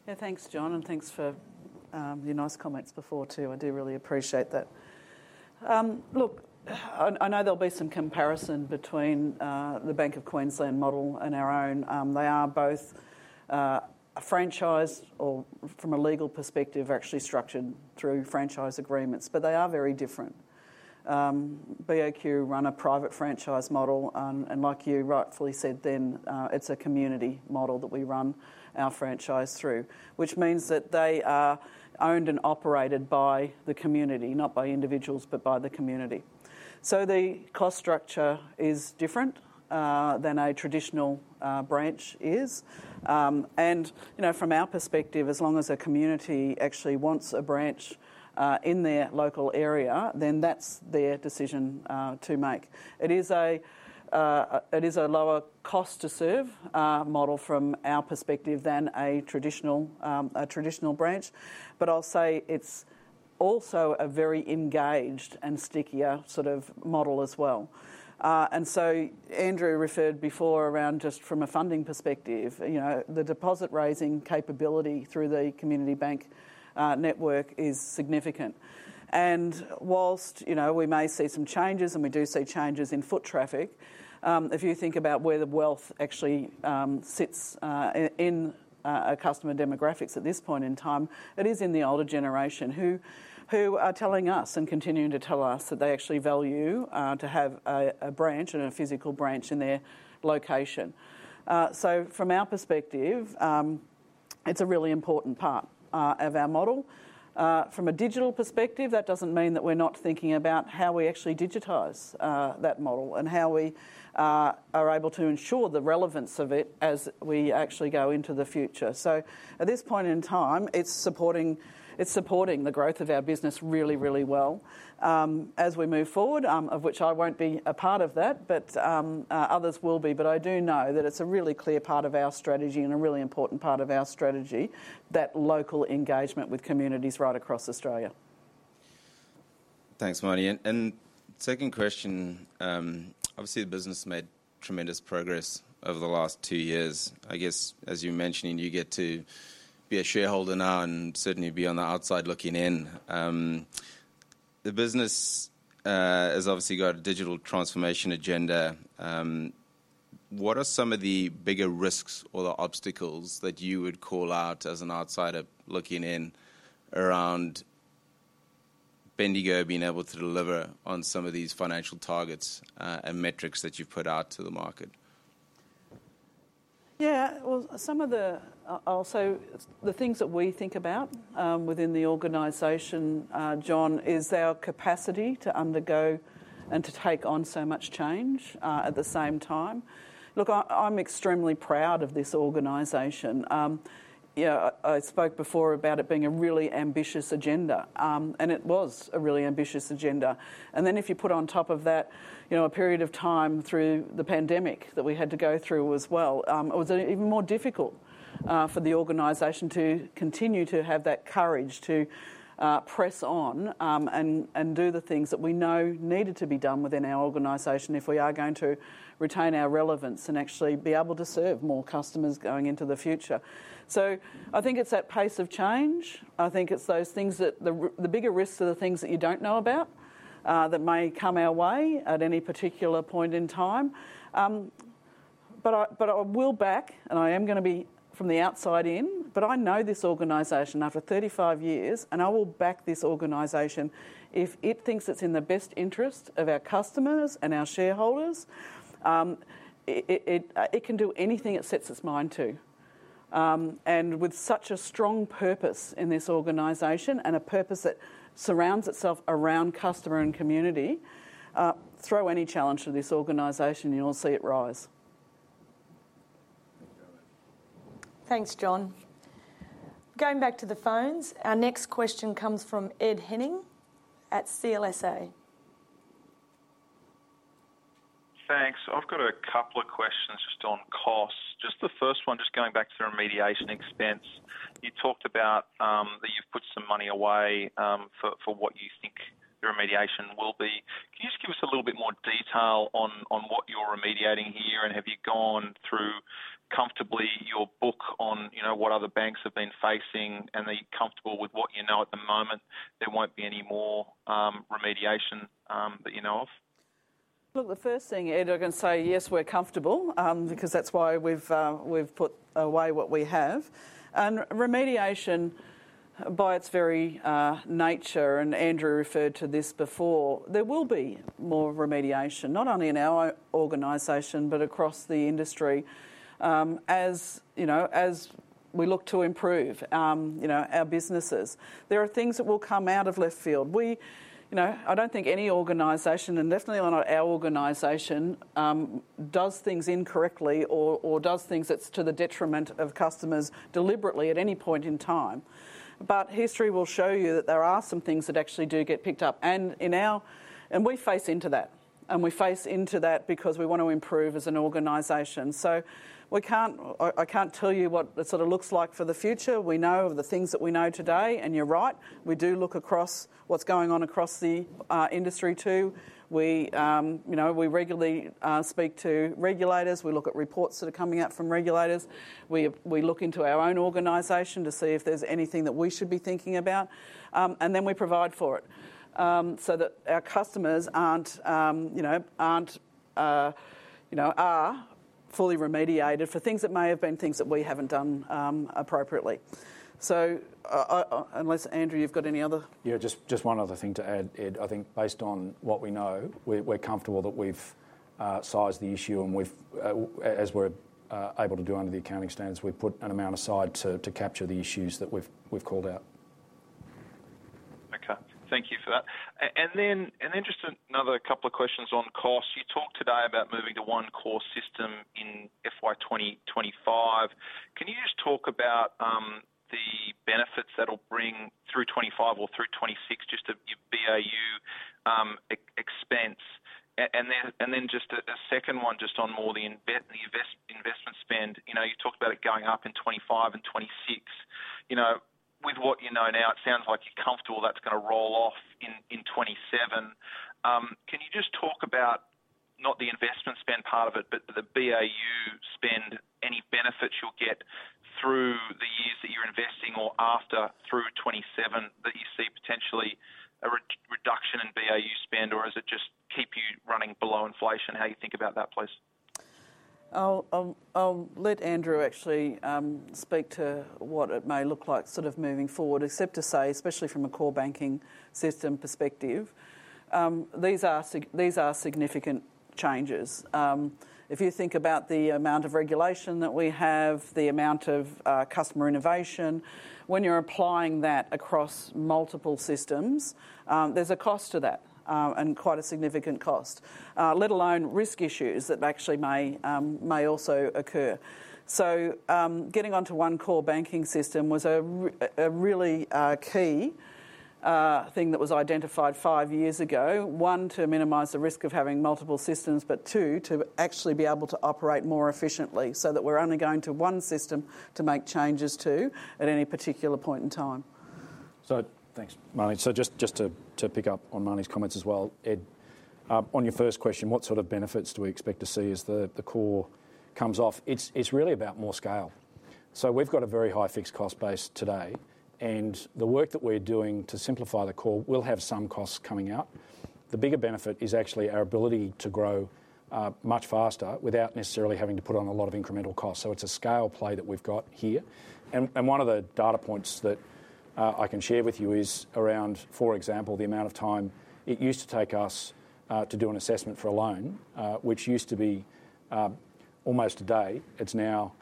Yeah, thanks, John, and thanks for, your nice comments before, too. I do really appreciate that. Look, I know there'll be some comparison between, the Bank of Queensland model and our own. They are both, a franchise or from a legal perspective, actually structured through franchise agreements, but they are very different. BOQ run a private franchise model, and like you rightfully said, then, it's a community model that we run our franchise through, which means that they are owned and operated by the community, not by individuals, but by the community. So the cost structure is different, than a traditional, branch is. And, you know, from our perspective, as long as a community actually wants a branch, in their local area, then that's their decision, to make. It is a lower cost to serve model from our perspective than a traditional branch, but I'll say it's also a very engaged and stickier sort of model as well. And so Andrew referred before around just from a funding perspective, you know, the deposit-raising capability through the Community Bank network is significant. And whilst, you know, we may see some changes, and we do see changes in foot traffic, if you think about where the wealth actually sits in customer demographics at this point in time, it is in the older generation who are telling us and continuing to tell us that they actually value to have a branch and a physical branch in their location. So from our perspective, it's a really important part of our model. From a digital perspective, that doesn't mean that we're not thinking about how we actually digitize that model and how we are able to ensure the relevance of it as we actually go into the future. So at this point in time, it's supporting the growth of our business really, really well. As we move forward, of which I won't be a part of that, but others will be. But I do know that it's a really clear part of our strategy and a really important part of our strategy, that local engagement with communities right across Australia.
Thanks, Marnie. And second question, obviously, the business made tremendous progress over the last two years. I guess, as you mentioned, you get to be a shareholder now and certainly be on the outside looking in. The business has obviously got a digital transformation agenda. What are some of the bigger risks or the obstacles that you would call out as an outsider looking in around Bendigo being able to deliver on some of these financial targets, and metrics that you've put out to the market?
Yeah, well, some of the also the things that we think about within the organization, John, is our capacity to undergo and to take on so much change at the same time. Look, I'm extremely proud of this organization. Yeah, I spoke before about it being a really ambitious agenda, and it was a really ambitious agenda. And then if you put on top of that, you know, a period of time through the pandemic that we had to go through as well, it was even more difficult for the organization to continue to have that courage to press on, and do the things that we know needed to be done within our organization if we are going to retain our relevance and actually be able to serve more customers going into the future. So I think it's that pace of change. I think it's those things that the bigger risks are the things that you don't know about, that may come our way at any particular point in time. But I will back, and I am gonna be from the outside in, but I know this organization after 35 years, and I will back this organization. If it thinks it's in the best interest of our customers and our shareholders, it can do anything it sets its mind to. And with such a strong purpose in this organization and a purpose that surrounds itself around customer and community, throw any challenge to this organization, you'll see it rise.
Thanks, John. Going back to the phones, our next question comes from Ed Henning at CLSA.
Thanks. I've got a couple of questions just on costs. Just the first one, just going back to the remediation expense. You talked about that you've put some money away for what you think the remediation will be. Can you just give us a little bit more detail on what you're remediating here, and have you gone through comfortably your book on, you know, what other banks have been facing, and are you comfortable with what you know at the moment, there won't be any more remediation that you know of?
Look, the first thing, Ed, I can say, yes, we're comfortable because that's why we've put away what we have. And remediation, by its very nature, and Andrew referred to this before, there will be more remediation, not only in our organization, but across the industry. As you know, as we look to improve our businesses, there are things that will come out of left field. You know, I don't think any organization, and definitely not our organization, does things incorrectly or does things that's to the detriment of customers deliberately at any point in time. But history will show you that there are some things that actually do get picked up, and we face into that, and we face into that because we want to improve as an organization. So we can't... I can't tell you what it sort of looks like for the future. We know the things that we know today, and you're right, we do look across what's going on across the industry, too. You know, we regularly speak to regulators. We look at reports that are coming out from regulators. We look into our own organization to see if there's anything that we should be thinking about. And then we provide for it, so that our customers aren't, you know, are fully remediated for things that may have been things that we haven't done appropriately. So, unless, Andrew, you've got any other-
Yeah, just one other thing to add, Ed. I think based on what we know, we're comfortable that we've sized the issue, and we've as we're able to do under the accounting standards, we've put an amount aside to capture the issues that we've called out.
Okay. Thank you for that. And then just another couple of questions on costs. You talked today about moving to one core system in FY 2025. Can you just talk about the benefits that'll bring through 2025 or through 2026, just to your BAU expense? And then just a second one, just on more the investment spend. You know, you talked about it going up in 2025 and 2026. You know, with what you know now, it sounds like you're comfortable that's gonna roll off in 2027. Can you just talk about not the investment spend part of it, but the BAU spend, any benefits you'll get through the years that you're investing or after, through 2027, that you see potentially a reduction in BAU spend, or is it just keep you running below inflation? How do you think about that, please?
I'll let Andrew actually speak to what it may look like sort of moving forward, except to say, especially from a core banking system perspective, these are significant changes. If you think about the amount of regulation that we have, the amount of customer innovation, when you're applying that across multiple systems, there's a cost to that, and quite a significant cost, let alone risk issues that actually may also occur. Getting onto one core banking system was a really key thing that was identified five years ago. One, to minimize the risk of having multiple systems, but two, to actually be able to operate more efficiently so that we're only going to one system to make changes to at any particular point in time.
So thanks, Marnie. So just to pick up on Marnie's comments as well, Ed, on your first question, what sort of benefits do we expect to see as the core comes off? It's really about more scale. So we've got a very high fixed cost base today, and the work that we're doing to simplify the core will have some costs coming out. The bigger benefit is actually our ability to grow much faster without necessarily having to put on a lot of incremental cost. So it's a scale play that we've got here. And one of the data points that I can share with you is around, for example, the amount of time it used to take us to do an assessment for a loan, which used to be almost a day. It's now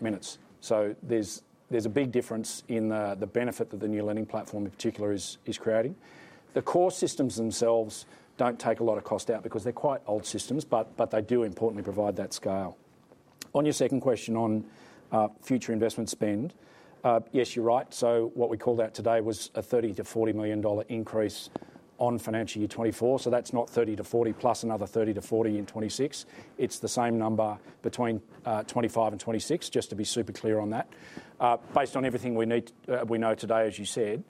minutes. There's a big difference in the benefit that the new lending platform in particular is creating. The core systems themselves don't take a lot of cost out because they're quite old systems, but they do importantly provide that scale. On your second question on future investment spend, yes, you're right. So what we called out today was an 30 million-40 million dollar increase on financial year 2024. So that's not 30 million-40 million, plus another 30 million-40 million in 2026. It's the same number between 2025 and 2026, just to be super clear on that. Based on everything we need, we know today, as you said,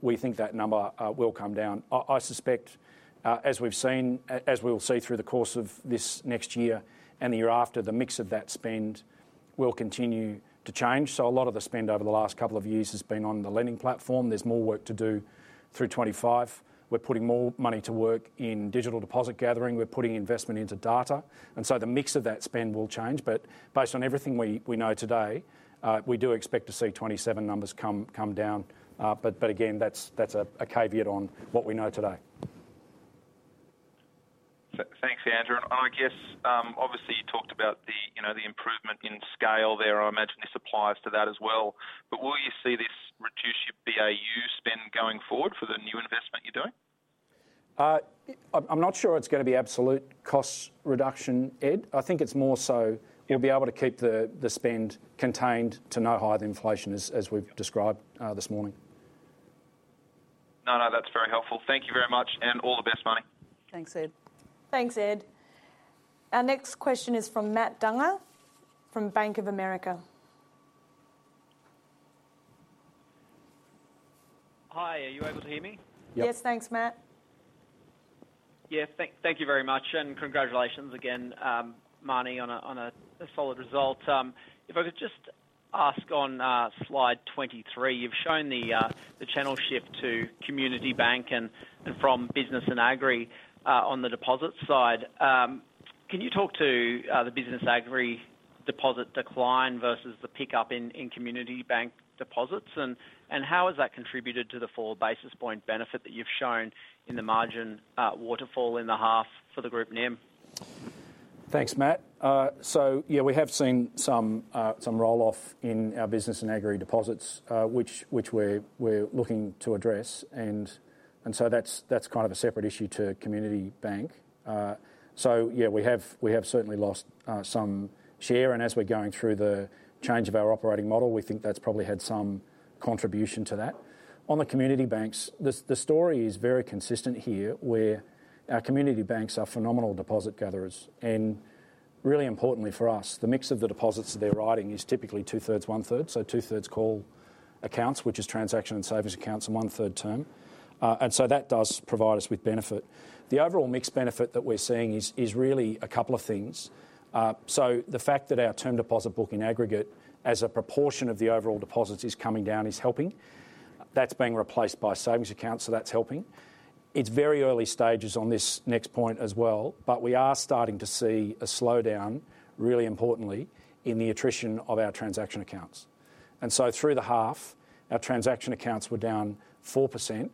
we think that number will come down. I suspect, as we've seen - as we'll see through the course of this next year and the year after, the mix of that spend will continue to change. So a lot of the spend over the last couple of years has been on the lending platform. There's more work to do through 2025. We're putting more money to work in digital deposit gathering. We're putting investment into data, and so the mix of that spend will change, but based on everything we know today, we do expect to see 2027 numbers come down. But again, that's a caveat on what we know today.
Thanks, Andrew, and I guess, obviously you talked about the, you know, the improvement in scale there. I imagine this applies to that as well. But will you see this reduce your BAU spend going forward for the new investment you're doing?
I'm not sure it's gonna be absolute cost reduction, Ed. I think it's more so we'll be able to keep the spend contained to no higher than inflation, as we've described, this morning.
No, no, that's very helpful. Thank you very much, and all the best, Marnie.
Thanks, Ed. Thanks, Ed. Our next question is from Matt Dunger from Bank of America.
Hi, are you able to hear me?
Yep.
Yes, thanks, Matt.
Yeah, thank you very much, and congratulations again, Marnie, on a solid result. If I could just ask on slide 23, you've shown the channel shift to community bank and from business and agri on the deposit side. Can you talk to the business agri deposit decline versus the pickup in community bank deposits? And how has that contributed to the four basis point benefit that you've shown in the margin waterfall in the half for the group NIM?
Thanks, Matt. So yeah, we have seen some roll-off in our business and agri deposits, which we're looking to address, and so that's kind of a separate issue to community bank. So yeah, we have certainly lost some share, and as we're going through the change of our operating model, we think that's probably had some contribution to that. On the community banks, the story is very consistent here, where our community banks are phenomenal deposit gatherers, and really importantly for us, the mix of the deposits they're writing is typically 2/3, 1/3. So 2/3 call accounts, which is transaction and savings accounts, and 1/3 term. And so that does provide us with benefit. The overall mix benefit that we're seeing is really a couple of things. So the fact that our term deposit book in aggregate, as a proportion of the overall deposits is coming down, is helping. That's being replaced by savings accounts, so that's helping. It's very early stages on this next point as well, but we are starting to see a slowdown, really importantly, in the attrition of our transaction accounts. And so through the half, our transaction accounts were down 4%,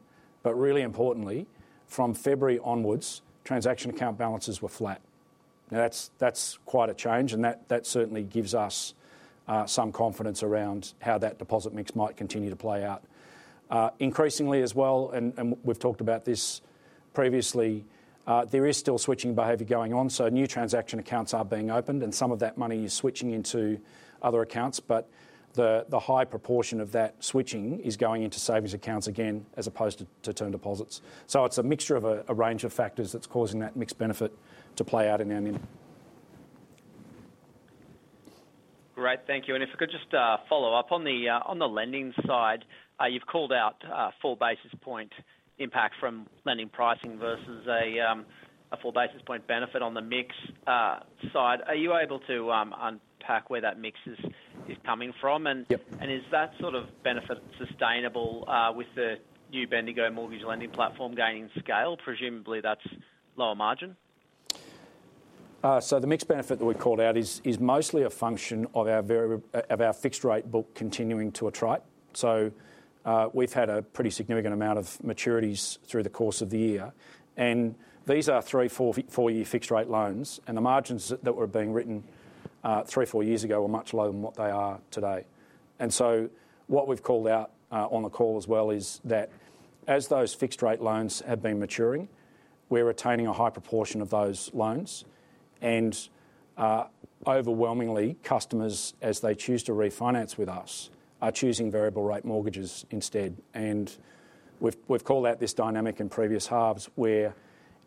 but really importantly, from February onwards, transaction account balances were flat. Now, that's quite a change, and that certainly gives us some confidence around how that deposit mix might continue to play out. Increasingly as well, and we've talked about this previously, there is still switching behavior going on, so new transaction accounts are being opened, and some of that money is switching into other accounts. But the high proportion of that switching is going into savings accounts again, as opposed to term deposits. So it's a mixture of a range of factors that's causing that mixed benefit to play out in our NIM.
Great, thank you. And if I could just follow up. On the lending side, you've called out four basis point impact from lending pricing versus a 4 basis point benefit on the mix side. Are you able to unpack where that mix is coming from?
Yep.
Is that sort of benefit sustainable, with the new Bendigo Lending Platform gaining scale? Presumably, that's lower margin.
So the mix benefit that we called out is mostly a function of our fixed rate book continuing to attrite. We've had a pretty significant amount of maturities through the course of the year, and these are three- or four-year fixed rate loans, and the margins that were being written three or four years ago were much lower than what they are today. What we've called out on the call as well is that as those fixed rate loans have been maturing, we're retaining a high proportion of those loans. Overwhelmingly, customers as they choose to refinance with us are choosing variable rate mortgages instead. We've called out this dynamic in previous halves, where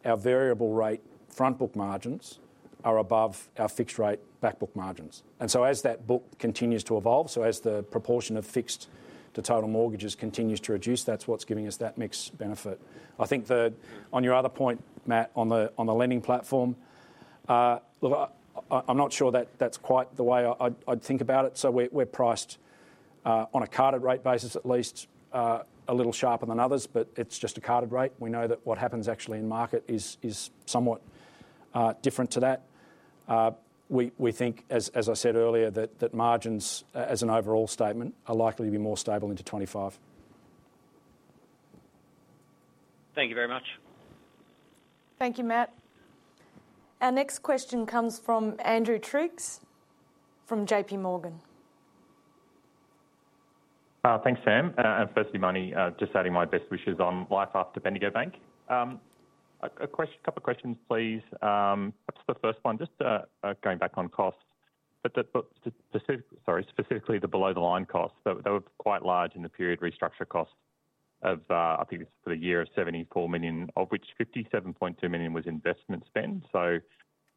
our variable rate front book margins are above our fixed rate back book margins. As that book continues to evolve, so as the proportion of fixed to total mortgages continues to reduce, that's what's giving us that mix benefit. I think. On your other point, Matt, on the lending platform, look, I'm not sure that that's quite the way I'd think about it. So we're priced on a carded rate basis, at least, a little sharper than others, but it's just a carded rate. We know that what happens actually in market is somewhat different to that. We think, as I said earlier, that margins, as an overall statement, are likely to be more stable into 2025.
Thank you very much.
Thank you, Matt. Our next question comes from Andrew Triggs from J.P. Morgan.
Thanks, Sam. And firstly, Marnie, just adding my best wishes on life after Bendigo Bank. A couple of questions, please. Perhaps the first one, just going back on costs, but specifically the below-the-line costs. They were quite large in the period, restructure costs of, I think it's for the year of 74 million, of which 57.2 million was investment spend, so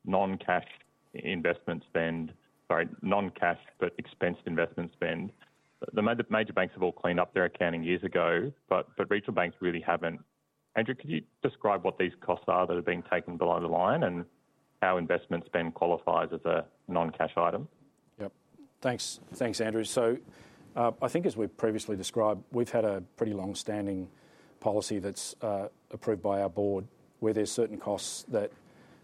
non-cash investment spend - sorry, non-cash, but expensed investment spend. The major banks have all cleaned up their accounting years ago, but regional banks really haven't. Andrew, could you describe what these costs are that are being taken below the line, and how investment spend qualifies as a non-cash item?
Yep. Thanks, thanks, Andrew. So, I think as we've previously described, we've had a pretty long-standing policy that's approved by our board, where there's certain costs that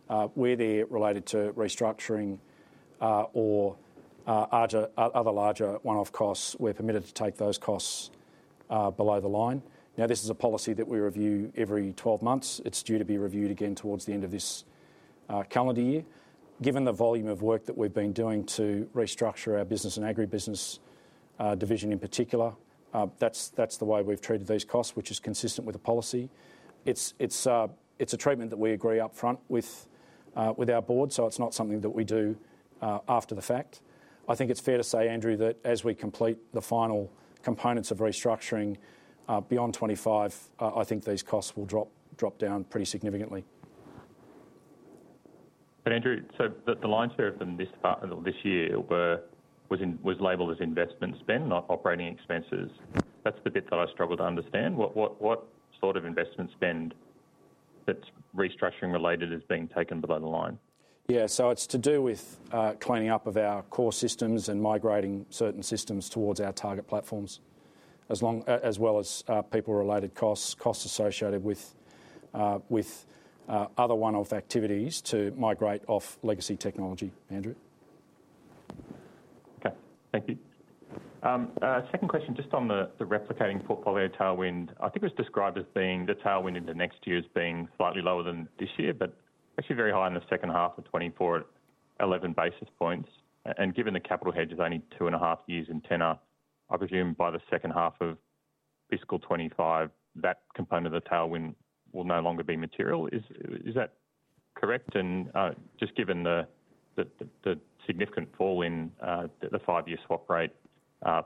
they're related to restructuring or other larger one-off costs, we're permitted to take those costs below the line. Now, this is a policy that we review every twelve months. It's due to be reviewed again towards the end of this calendar year. Given the volume of work that we've been doing to restructure our business and agribusiness division in particular, that's the way we've treated these costs, which is consistent with the policy. It's a treatment that we agree up front with our board, so it's not something that we do after the fact. I think it's fair to say, Andrew, that as we complete the final components of restructuring, beyond 2025, I think these costs will drop down pretty significantly.
But Andrew, so the line item for this half or this year was labeled as investment spend, not operating expenses. That's the bit that I struggle to understand. What sort of investment spend that's restructuring-related is being taken below the line?
Yeah, so it's to do with cleaning up of our core systems and migrating certain systems towards our target platforms. As well as people-related costs, costs associated with other one-off activities to migrate off legacy technology, Andrew.
Okay, thank you. Second question, just on the replicating portfolio tailwind. I think it was described as being the tailwind into next year as being slightly lower than this year, but actually very high in the second half of 2024 at 11 basis points, and given the capital hedge is only 2.5 years in tenor, I presume by the second half of fiscal 2025, that component of the tailwind will no longer be material. Is that correct? And just given the significant fall in the five-year swap rate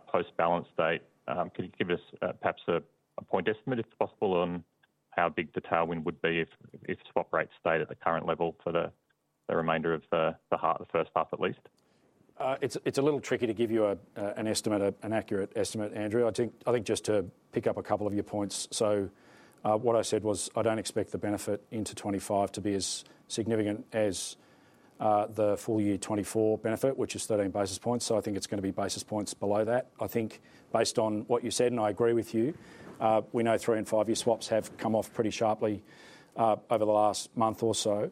post-balance date, can you give us perhaps a point estimate, if possible, on how big the tailwind would be if swap rates stayed at the current level for the remainder of the first half, at least?
It's a little tricky to give you an accurate estimate, Andrew. I think just to pick up a couple of your points. What I said was, I don't expect the benefit into 2025 to be as significant as the full year 2024 benefit, which is 13 basis points, so I think it's going to be basis points below that. I think based on what you said, and I agree with you, we know three- and five-year swaps have come off pretty sharply over the last month or so.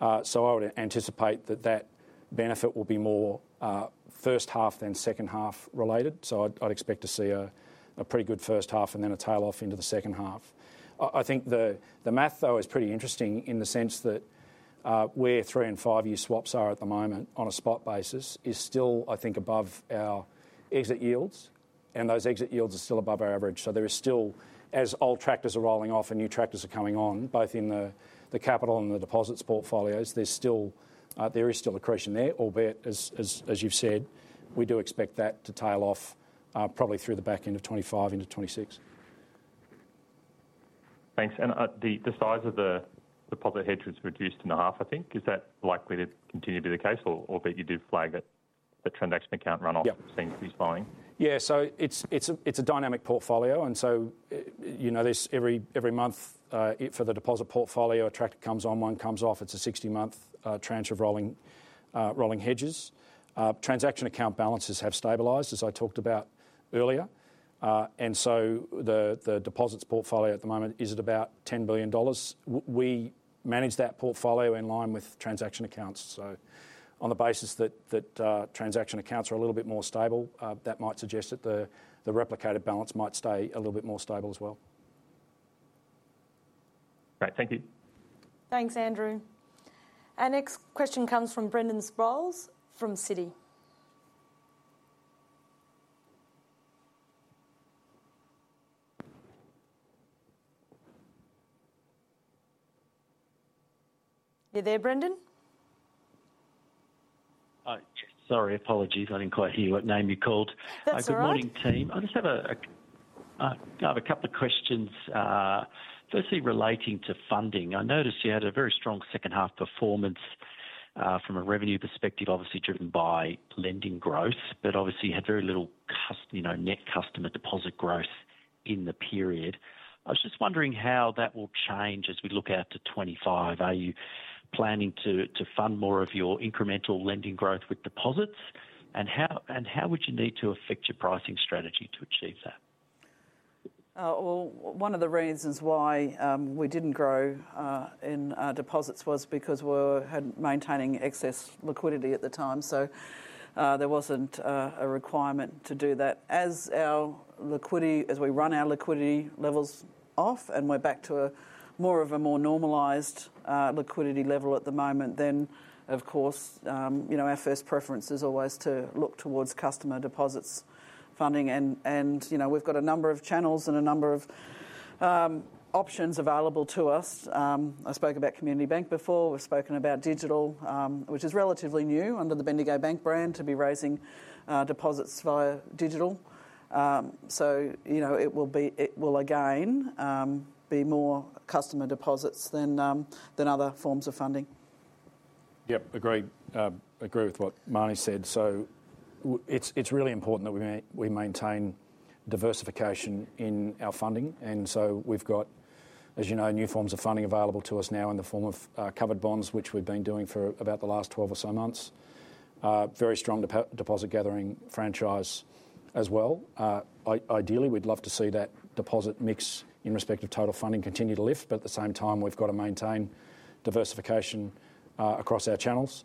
I would anticipate that that benefit will be more first half than second half related. I'd expect to see a pretty good first half and then a tail off into the second half. I think the math, though, is pretty interesting in the sense that where three- and five-year swaps are at the moment on a spot basis is still, I think, above our exit yields, and those exit yields are still above our average. So there is still... as old tranches are rolling off and new tranches are coming on, both in the capital and the deposits portfolios, there's still accretion there, albeit as you've said, we do expect that to tail off probably through the back end of 2025 into 2026.
Thanks, and the size of the deposit hedge was reduced in half, I think. Is that likely to continue to be the case, or, albeit you do flag it, the transaction account runoff-
Yep.
Seems to be falling?
Yeah, so it's a dynamic portfolio, and so you know this, every month for the deposit portfolio, a tranche comes on, one comes off. It's a 60-month tranche of rolling hedges. Transaction account balances have stabilized, as I talked about earlier. And so the deposits portfolio at the moment is at about 10 billion dollars. We manage that portfolio in line with transaction accounts. So on the basis that transaction accounts are a little bit more stable, that might suggest that the replicated balance might stay a little bit more stable as well.
Great, thank you.
Thanks, Andrew. Our next question comes from Brendan Sproules, from Citi. You there, Brendan?
Sorry, apologies. I didn't quite hear what name you called.
That's all right.
Good morning, team. I just have a couple of questions. Firstly, relating to funding, I noticed you had a very strong second half performance from a revenue perspective, obviously driven by lending growth, but obviously you had very little, you know, net customer deposit growth in the period. I was just wondering how that will change as we look out to 2025. Are you planning to fund more of your incremental lending growth with deposits? And how would you need to affect your pricing strategy to achieve that?
One of the reasons why we didn't grow in our deposits was because we're maintaining excess liquidity at the time, so there wasn't a requirement to do that. As we run our liquidity levels off, and we're back to a more normalized liquidity level at the moment, then, of course, you know, our first preference is always to look towards customer deposits funding. And, you know, we've got a number of channels and a number of options available to us. I spoke about Community Bank before. We've spoken about digital, which is relatively new under the Bendigo Bank brand, to be raising deposits via digital. So, you know, it will again be more customer deposits than other forms of funding.
Yep, agree. Agree with what Marnie said. So it's really important that we maintain diversification in our funding, and so we've got, as you know, new forms of funding available to us now in the form of covered bonds, which we've been doing for about the last twelve or so months. Very strong deposit gathering franchise as well. Ideally, we'd love to see that deposit mix in respect of total funding continue to lift, but at the same time, we've got to maintain diversification across our channels.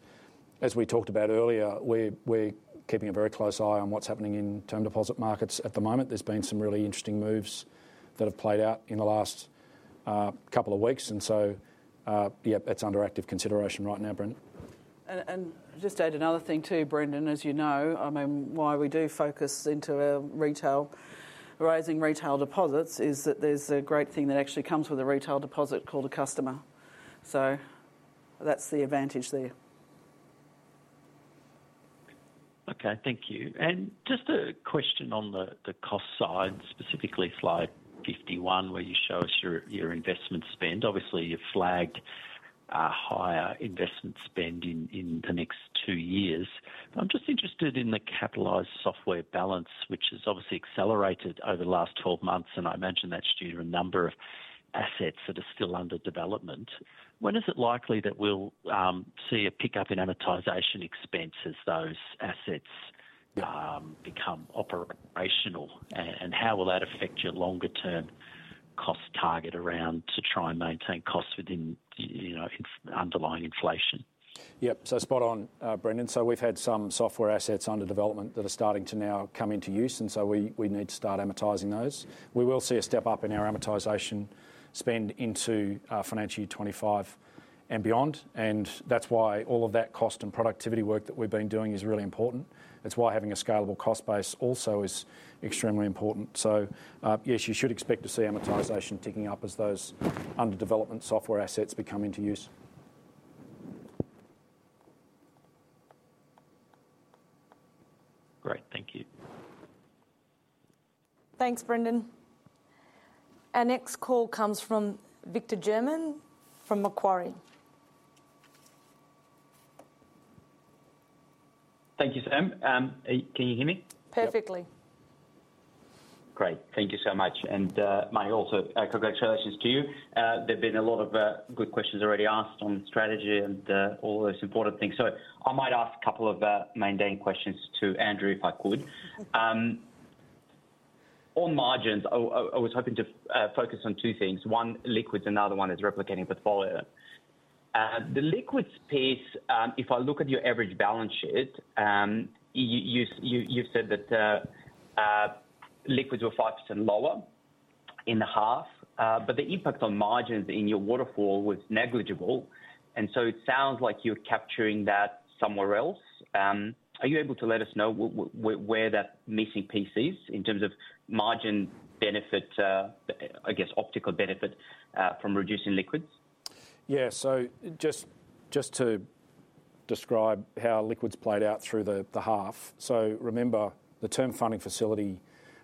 As we talked about earlier, we're keeping a very close eye on what's happening in term deposit markets at the moment. There's been some really interesting moves that have played out in the last couple of weeks, and so that's under active consideration right now, Brendan.
Just to add another thing, too, Brendan, as you know, I mean, why we do focus on our retail, raising retail deposits, is that there's a great thing that actually comes with a retail deposit called a customer. So that's the advantage there.
Okay, thank you. And just a question on the cost side, specifically slide 51, where you show us your investment spend. Obviously, you've flagged a higher investment spend in the next two years, but I'm just interested in the capitalized software balance, which has obviously accelerated over the last 12 months, and I imagine that's due to a number of assets that are still under development. When is it likely that we'll see a pickup in amortization expense as those assets become operational, and how will that affect your longer-term cost target around to try and maintain costs within, you know, underlying inflation?
Yeah, so spot on, Brendan. So we've had some software assets under development that are starting to now come into use, and so we need to start amortizing those. We will see a step up in our amortization spend into financial year 2025 and beyond, and that's why all of that cost and productivity work that we've been doing is really important. It's why having a scalable cost base also is extremely important. So yes, you should expect to see amortization ticking up as those under development software assets become into use.
Great, thank you.
Thanks, Brendan. Our next call comes from Victor German, from Macquarie.
Thank you, Sam. Can you hear me?
Perfectly.
Great. Thank you so much. And, Marnie, also, congratulations to you. There have been a lot of good questions already asked on strategy and all those important things. So I might ask a couple of mundane questions to Andrew, if I could.
Okay.
On margins, I was hoping to focus on two things: one, liquids, another one is replicating portfolio. The liquids piece, if I look at your average balance sheet, you said that liquids were 5% lower in the half, but the impact on margins in your waterfall was negligible, and so it sounds like you're capturing that somewhere else. Are you able to let us know where that missing piece is in terms of margin benefit, I guess, optical benefit, from reducing liquids?
Yeah, so just to describe how liquidity played out through the half. Remember, the Term Funding Facility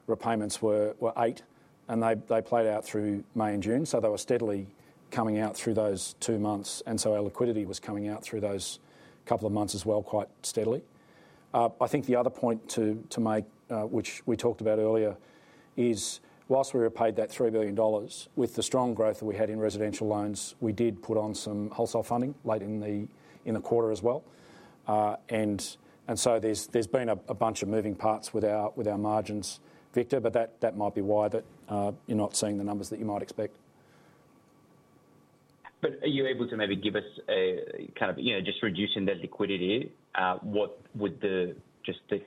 repayments were eight, and they played out through May and June, so they were steadily coming out through those two months, and so our liquidity was coming out through those couple of months as well, quite steadily. I think the other point to make, which we talked about earlier, is while we repaid that 3 billion dollars, with the strong growth that we had in residential loans, we did put on some wholesale funding late in the quarter as well. And so there's been a bunch of moving parts with our margins, Victor, but that might be why you're not seeing the numbers that you might expect.
But are you able to maybe give us a kind of, you know, just reducing that liquidity, what would the, just the, the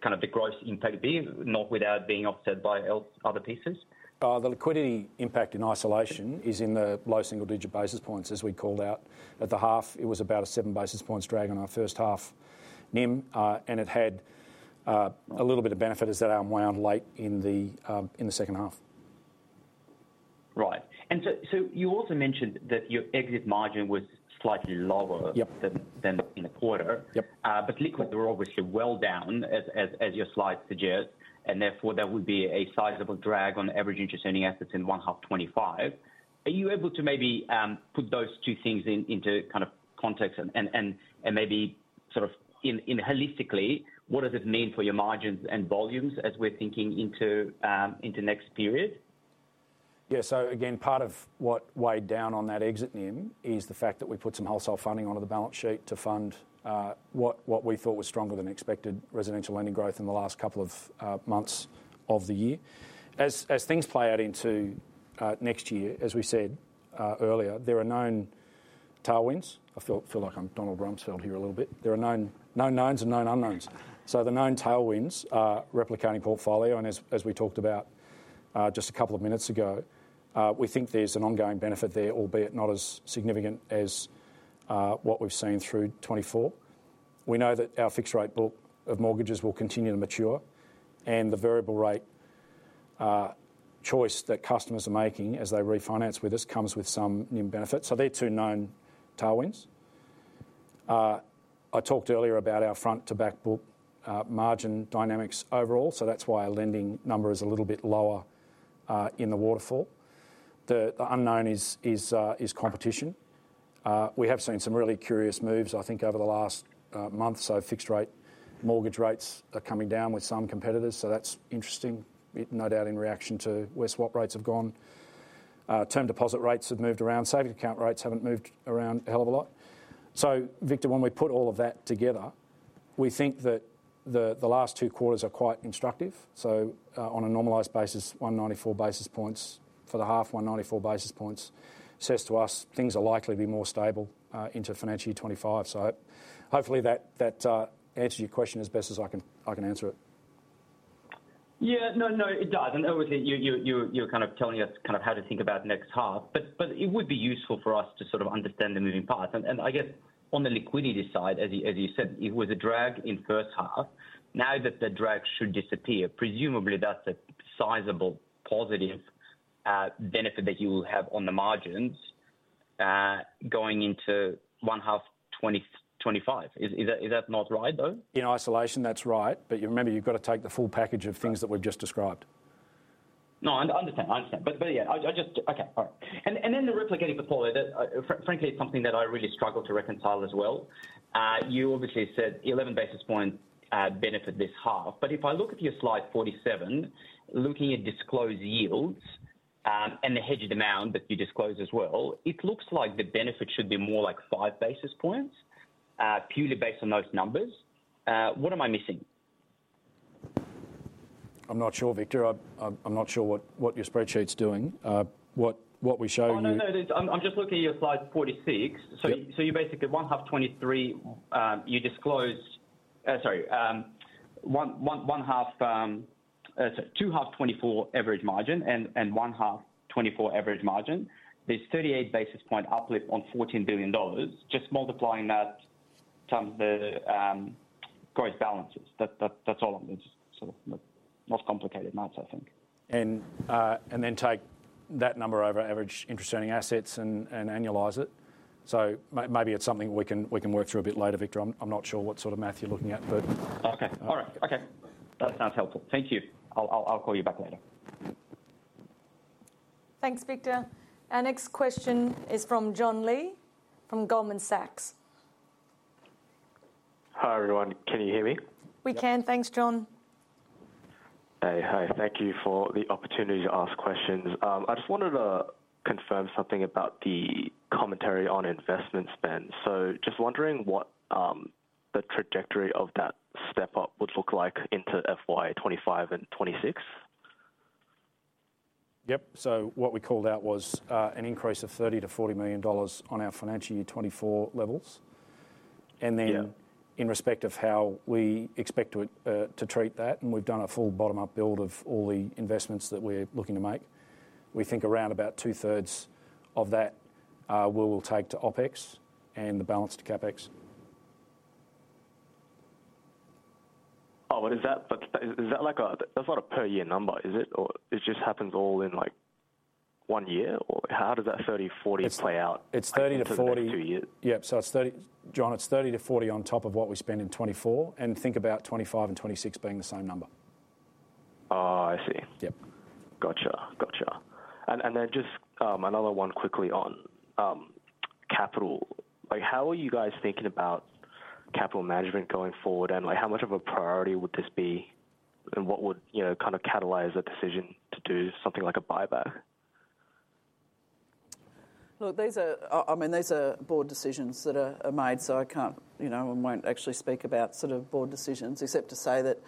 kind of the gross impact be, not without being offset by other pieces?
The liquidity impact in isolation is in the low single-digit basis points, as we called out. At the half, it was about a 7 basis points drag on our first half NIM, and it had a little bit of benefit as that unwound late in the second half.
Right. And so, you also mentioned that your exit margin was slightly lower-
Yep...
than in the quarter.
Yep.
But liquids were obviously well down, as your slide suggests, and therefore, that would be a sizable drag on average interest earning assets in [H1 2025]. Are you able to maybe put those two things into kind of context and maybe sort of in holistically, what does it mean for your margins and volumes as we're thinking into next period?
Yeah, so again, part of what weighed down on that exit NIM is the fact that we put some wholesale funding onto the balance sheet to fund what we thought was stronger than expected residential lending growth in the last couple of months of the year. As things play out into next year, as we said earlier, there are known tailwinds. I feel like I'm Donald Rumsfeld here a little bit. There are known knowns and known unknowns. So the known tailwinds are replicating portfolio, and as we talked about just a couple of minutes ago, we think there's an ongoing benefit there, albeit not as significant as what we've seen through 2024.... We know that our fixed rate book of mortgages will continue to mature, and the variable rate choice that customers are making as they refinance with us comes with some new benefits. So they're two known tailwinds. I talked earlier about our front-to-back book margin dynamics overall, so that's why our lending number is a little bit lower in the waterfall. The unknown is competition. We have seen some really curious moves, I think, over the last month or so. Fixed rate mortgage rates are coming down with some competitors, so that's interesting. No doubt, in reaction to where swap rates have gone. Term deposit rates have moved around. Savings account rates haven't moved around a hell of a lot. So Victor, when we put all of that together, we think that the last two quarters are quite instructive. So, on a normalized basis, 194 basis points. For the half, 194 basis points says to us, things are likely to be more stable into financial year 2025. So hopefully that answers your question as best as I can answer it.
Yeah, no, no, it does. And obviously, you're kind of telling us kind of how to think about next half, but it would be useful for us to sort of understand the moving parts. And I guess on the liquidity side, as you said, it was a drag in first half. Now that the drag should disappear, presumably that's a sizable positive benefit that you will have on the margins going into one half 2025. Is that not right, though?
In isolation, that's right. But you remember, you've got to take the full package of things-
Right...
that we've just described.
No, I understand. I understand. But yeah, I just... Okay, all right. And then the replicating portfolio, that frankly is something that I really struggle to reconcile as well. You obviously said 11 basis points benefit this half, but if I look at your slide 47, looking at disclosed yields, and the hedged amount that you disclosed as well, it looks like the benefit should be more like five basis points, purely based on those numbers. What am I missing?
I'm not sure, Victor. I'm not sure what your spreadsheet's doing. What we showed you-
Oh, no, no, I'm just looking at your slide 46.
Yep.
So you basically H1 2023, you disclosed H2 2024 average margin and H1 2024 average margin. There's 38 basis point uplift on 14 billion dollars, just multiplying that times the gross balances. That's all on this. So not complicated math, I think.
Then take that number over average interest earning assets and annualize it. So maybe it's something we can work through a bit later, Victor. I'm not sure what sort of math you're looking at, but-
Okay. All right. Okay. That sounds helpful. Thank you. I'll call you back later.
Thanks, Victor. Our next question is from John Lee, from Goldman Sachs.
Hi, everyone. Can you hear me?
We can. Thanks, John.
Hey, hi. Thank you for the opportunity to ask questions. I just wanted to confirm something about the commentary on investment spend. So just wondering what the trajectory of that step-up would look like into FY 2025 and 2026?
Yep. So what we called out was an increase of 30 million-40 million dollars on our financial year 2024 levels.
Yeah.
And then in respect of how we expect to treat that, and we've done a full bottom-up build of all the investments that we're looking to make. We think around about 2/3 of that, we will take to OpEx and the balance to CapEx.
Oh, but is that like a... that's not a per year number, is it? Or it just happens all in, like, one year? Or how does that 30 million-40 million play out-
It's 30 million-40 million-
Over the two years.
Yep. So it's 30 million, John, it's 30 million-40 million on top of what we spent in 2024, and think about 2025 and 2026 being the same number.
Oh, I see.
Yep.
Gotcha. Gotcha. And then just another one quickly on capital. Like, how are you guys thinking about capital management going forward? And, like, how much of a priority would this be, and what would, you know, kind of catalyze a decision to do something like a buyback?
Look, these are, I mean, these are board decisions that are made, so I can't, you know, and won't actually speak about sort of board decisions, except to say that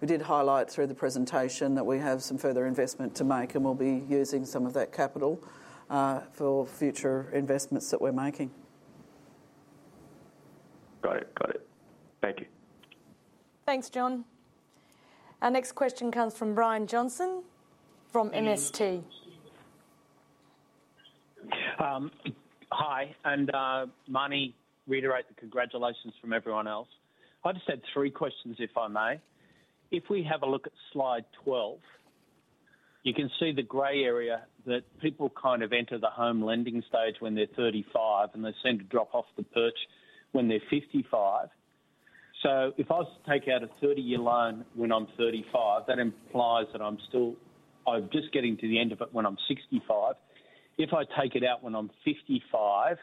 we did highlight through the presentation that we have some further investment to make, and we'll be using some of that capital for future investments that we're making.
Got it. Got it. Thank you.
Thanks, John. Our next question comes from Brian Johnson, from MST.
Hi, and, Marnie, reiterate the congratulations from everyone else. I just had three questions, if I may. If we have a look at slide 12, you can see the gray area that people kind of enter the home lending stage when they're 35, and they seem to drop off the perch when they're 55. So if I was to take out a 30 loan when I'm 35, that implies that I'm just getting to the end of it when I'm 65. If I take it out when I'm 55,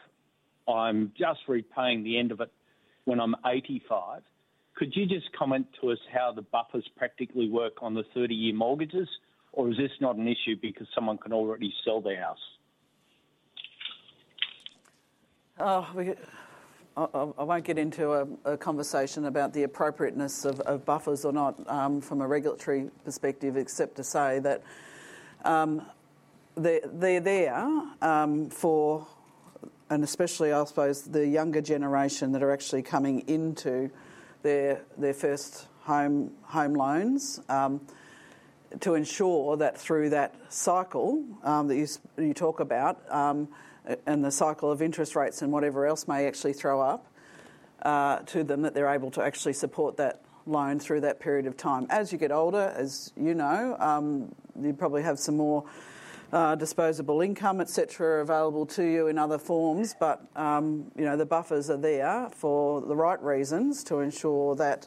I'm just repaying the end of it when I'm 85. Could you just comment to us how the buffers practically work on the 30-year mortgages? Or is this not an issue because someone can already sell their house?
I won't get into a conversation about the appropriateness of buffers or not, from a regulatory perspective, except to say that they're there for and especially, I suppose, the younger generation that are actually coming into their first home loans, to ensure that through that cycle that you talk about, and the cycle of interest rates and whatever else may actually throw up to them, that they're able to actually support that loan through that period of time. As you get older, as you know, you probably have some more disposable income, et cetera, available to you in other forms. But, you know, the buffers are there for the right reasons, to ensure that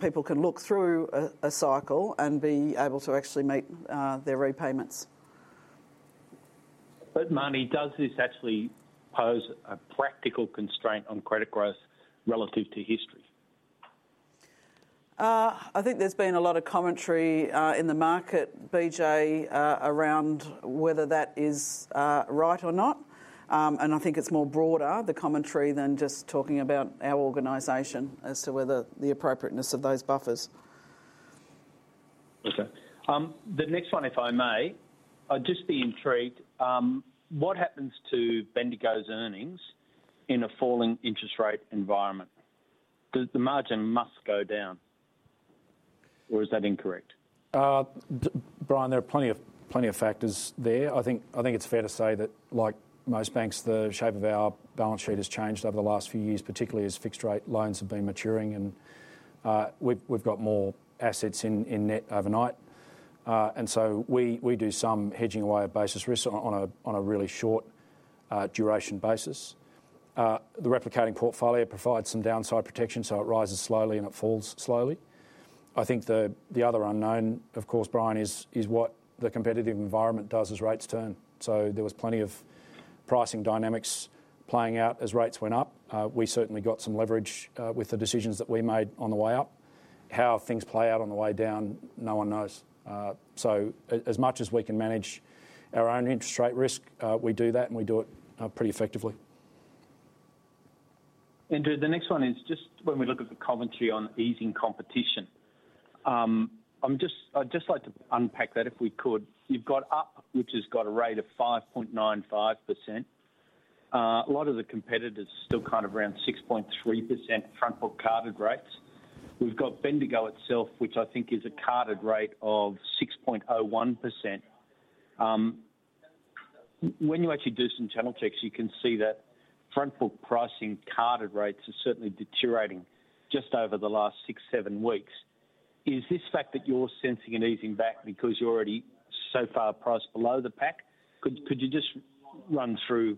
people can look through a cycle and be able to actually meet their repayments.
But Marnie, does this actually pose a practical constraint on credit growth relative to history?
I think there's been a lot of commentary in the market, BJ, around whether that is right or not, and I think it's more broader, the commentary, than just talking about our organization as to whether the appropriateness of those buffers.
Okay. The next one, if I may, I'd just be intrigued, what happens to Bendigo's earnings in a falling interest rate environment? The margin must go down or is that incorrect?
Brian, there are plenty of factors there. I think it's fair to say that, like most banks, the shape of our balance sheet has changed over the last few years, particularly as fixed rate loans have been maturing and we've got more assets in net overnight. And so we do some hedging away of basis risk on a really short duration basis. The replicating portfolio provides some downside protection, so it rises slowly and it falls slowly. I think the other unknown, of course, Brian, is what the competitive environment does as rates turn. There was plenty of pricing dynamics playing out as rates went up. We certainly got some leverage with the decisions that we made on the way up. How things play out on the way down, no one knows, so as much as we can manage our own interest rate risk, we do that, and we do it pretty effectively.
Andrew, the next one is just when we look at the commentary on easing competition. I'm just... I'd just like to unpack that, if we could. You've got Up, which has got a rate of 5.95%. A lot of the competitors still kind of around 6.3% front book carded rates. We've got Bendigo itself, which I think is a carded rate of 6.01%. When you actually do some channel checks, you can see that front book pricing carded rates are certainly deteriorating just over the last six, seven weeks. Is this fact that you're sensing an easing back because you're already so far priced below the pack? Could you just run through...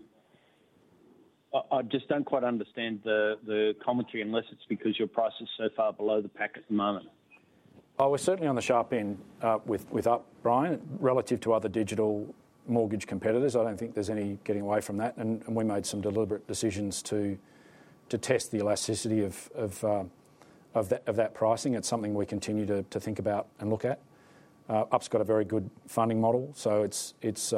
I just don't quite understand the commentary, unless it's because your price is so far below the pack at the moment.
Oh, we're certainly on the sharp end with Up, Brian, relative to other digital mortgage competitors. I don't think there's any getting away from that, and we made some deliberate decisions to test the elasticity of that pricing. It's something we continue to think about and look at. Up's got a very good funding model, so it's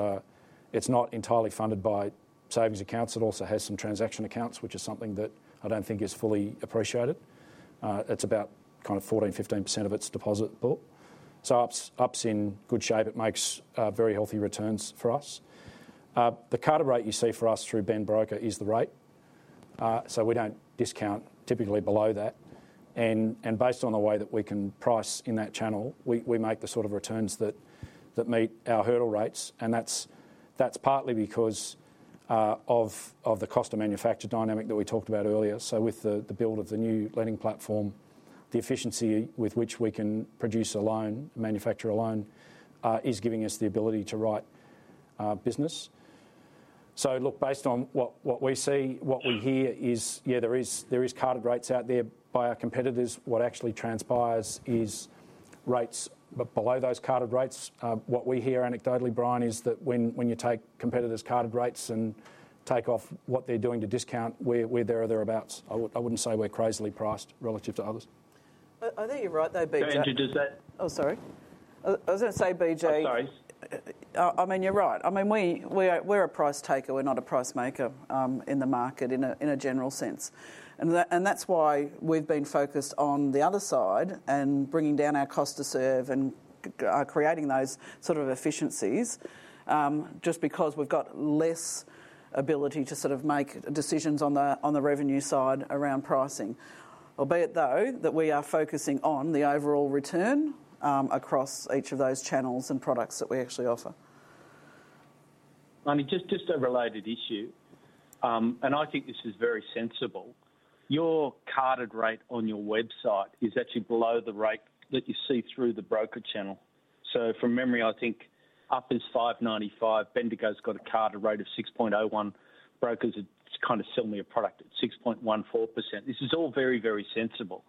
not entirely funded by savings accounts. It also has some transaction accounts, which is something that I don't think is fully appreciated. It's about kind of 14%-15% of its deposit book. So Up's in good shape. It makes very healthy returns for us. The carded rate you see for us through Bendigo Broker is the rate. So we don't discount typically below that, and based on the way that we can price in that channel, we make the sort of returns that meet our hurdle rates, and that's partly because of the cost of manufacture dynamic that we talked about earlier. So with the build of the new lending platform, the efficiency with which we can produce a loan, manufacture a loan, is giving us the ability to write business. So look, based on what we see, what we hear is, yeah, there is carded rates out there by our competitors. What actually transpires is rates below those carded rates. What we hear anecdotally, Brian, is that when you take competitors' carded rates and take off what they're doing to discount, we're there or thereabouts. I wouldn't say we're crazily priced relative to others.
I think you're right, though, BJ-...
Do you just that-
Oh, sorry. I was gonna say, BJ-
Oh, sorry.
I mean, you're right. I mean, we're a price taker, we're not a price maker, in the market in a general sense. And that's why we've been focused on the other side and bringing down our cost to serve and creating those sort of efficiencies, just because we've got less ability to sort of make decisions on the revenue side around pricing. Albeit, though, that we are focusing on the overall return, across each of those channels and products that we actually offer.
Marnie, just a related issue, and I think this is very sensible. Your carded rate on your website is actually below the rate that you see through the broker channel. So from memory, I think Up is 5.95%, Bendigo's got a carded rate of 6.01%. Brokers are kind of selling me a product at 6.14%. This is all very, very sensible.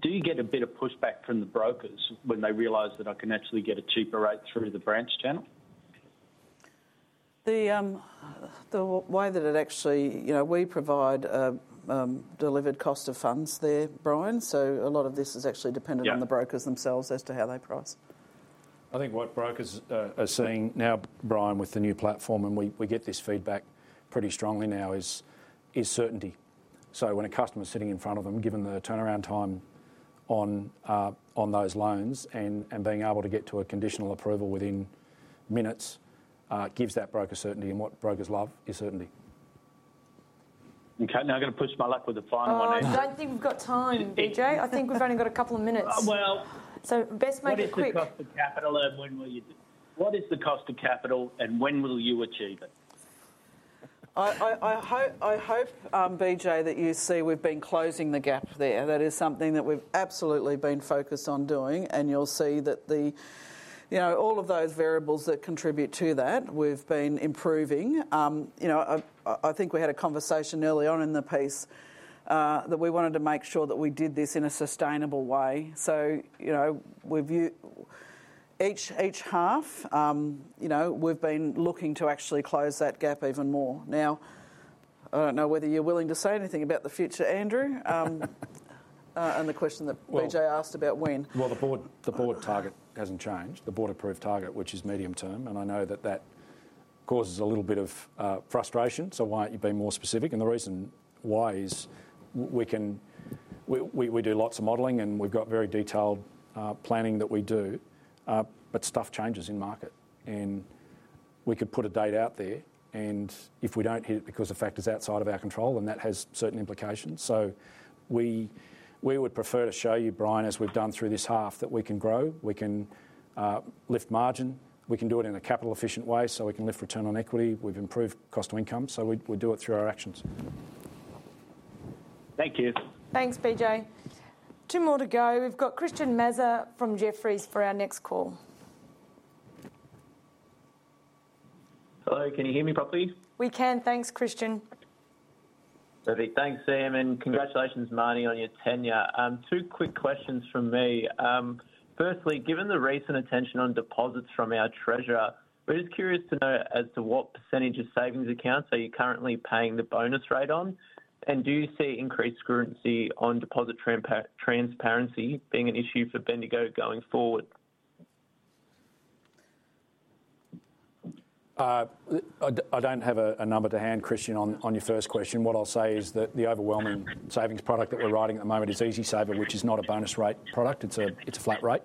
Do you get a bit of pushback from the brokers when they realize that I can actually get a cheaper rate through the branch channel?
The way that it actually... You know, we provide a delivered cost of funds there, Brian, so a lot of this is actually dependent-
Yeah...
on the brokers themselves as to how they price.
I think what brokers are seeing now, Brian, with the new platform, and we get this feedback pretty strongly now, is certainty. So when a customer's sitting in front of them, given the turnaround time on those loans and being able to get to a conditional approval within minutes, gives that broker certainty, and what brokers love is certainty.
Okay, now I'm gonna push my luck with the final one.
Oh, I don't think we've got time, BJ. I think we've only got a couple of minutes.
Well-
So best make it quick.
What is the cost of capital, and when will you achieve it?
I hope, BJ, that you see we've been closing the gap there. That is something that we've absolutely been focused on doing, and you'll see that the, you know, all of those variables that contribute to that, we've been improving. You know, I think we had a conversation early on in the piece that we wanted to make sure that we did this in a sustainable way. So, you know, we view each half, you know, we've been looking to actually close that gap even more. Now, I don't know whether you're willing to say anything about the future, Andrew, and the question that BJ asked about when?
The board target hasn't changed, the board-approved target, which is medium term, and I know that that causes a little bit of frustration. So why aren't you being more specific? And the reason why is we can. We do lots of modeling, and we've got very detailed planning that we do. But stuff changes in market, and we could put a date out there, and if we don't hit it because of factors outside of our control, and that has certain implications. So we would prefer to show you, Brian, as we've done through this half, that we can grow, we can lift margin. We can do it in a capital efficient way, so we can lift return on equity. We've improved cost of income, so we do it through our actions.
Thank you.
Thanks, BJ. Two more to go. We've got Christian Mazza from Jefferies for our next call.
Hello, can you hear me properly?
We can, thanks, Christian.
Perfect. Thanks, Sam, and congratulations, Marnie, on your tenure. Two quick questions from me. Firstly, given the recent attention on deposits from our treasurer, we're just curious to know as to what percentage of savings accounts are you currently paying the bonus rate on, and do you see increased scrutiny on deposit transparency being an issue for Bendigo going forward?
I don't have a number to hand, Christian, on your first question. What I'll say is that the overwhelming savings product that we're writing at the moment is EasySaver, which is not a bonus rate product. It's a flat rate.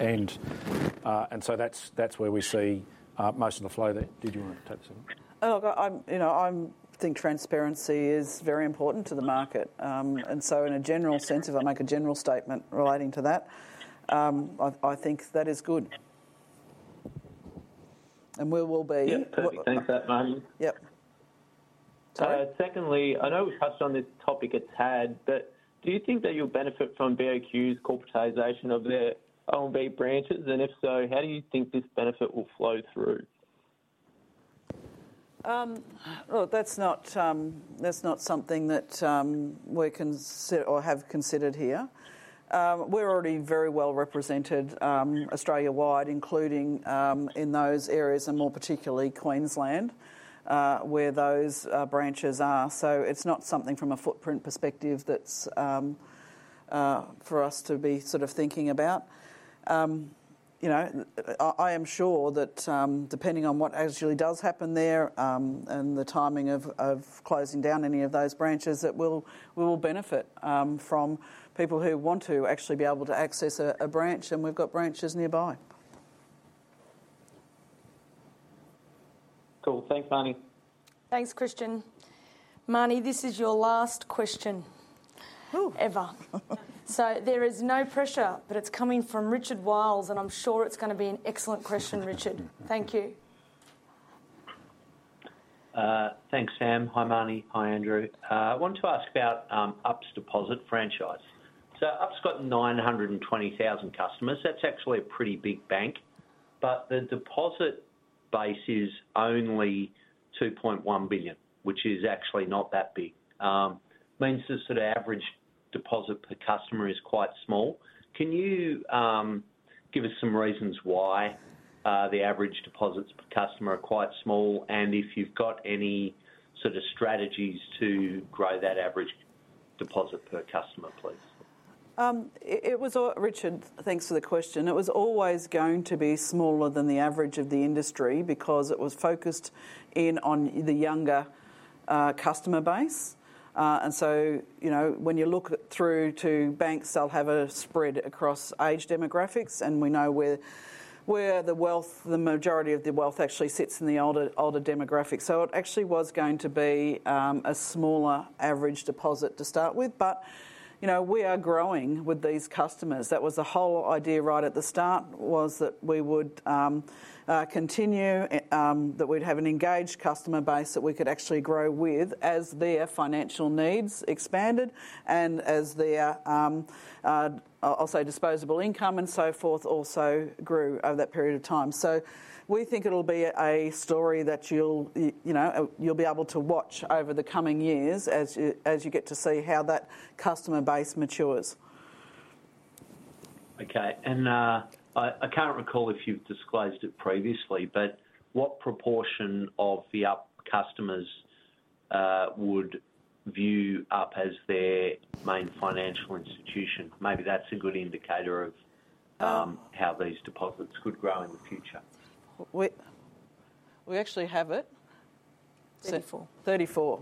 And so that's where we see most of the flow there. Did you want to take this one?
Oh, look, you know, I think transparency is very important to the market. And so in a general sense, if I make a general statement relating to that, I think that is good. And we will be-
Yeah, perfect. Thanks for that, Marnie.
Yep. Sorry?
Secondly, I know we've touched on this topic a tad, but do you think that you'll benefit from BOQ's corporatization of their OMB branches? And if so, how do you think this benefit will flow through?
Look, that's not something that we're considering or have considered here. We're already very well represented Australia-wide, including in those areas, and more particularly Queensland, where those branches are. So it's not something from a footprint perspective that's for us to be sort of thinking about. You know, I am sure that, depending on what actually does happen there, and the timing of closing down any of those branches, that we will benefit from people who want to actually be able to access a branch, and we've got branches nearby.
Cool. Thanks, Marnie.
Thanks, Christian. Marnie, this is your last question-
Ooh!
-ever. So there is no pressure, but it's coming from Richard Wiles, and I'm sure it's gonna be an excellent question, Richard. Thank you. Thanks, Sam. Hi, Marnie. Hi, Andrew. I want to ask about Up's deposit franchise. So Up's got 920,000 customers. That's actually a pretty big bank, but the deposit base is only 2.1 billion, which is actually not that big. Means the sort of average deposit per customer is quite small. Can you give us some reasons why the average deposits per customer are quite small, and if you've got any sort of strategies to grow that average deposit per customer, please?
Richard, thanks for the question. It was always going to be smaller than the average of the industry because it was focused in on the younger customer base. And so, you know, when you look through to banks, they'll have a spread across age demographics, and we know where the majority of the wealth actually sits in the older demographics. So it actually was going to be a smaller average deposit to start with. But, you know, we are growing with these customers. That was the whole idea right at the start, was that we'd have an engaged customer base that we could actually grow with as their financial needs expanded and as their also disposable income and so forth also grew over that period of time. So we think it'll be a story that you'll, you know, you'll be able to watch over the coming years, as you get to see how that customer base matures. Okay. And I can't recall if you've disclosed it previously, but what proportion of the Up customers would view Up as their main financial institution? Maybe that's a good indicator of Um. How these deposits could grow in the future. We actually have it.
34%. 34%.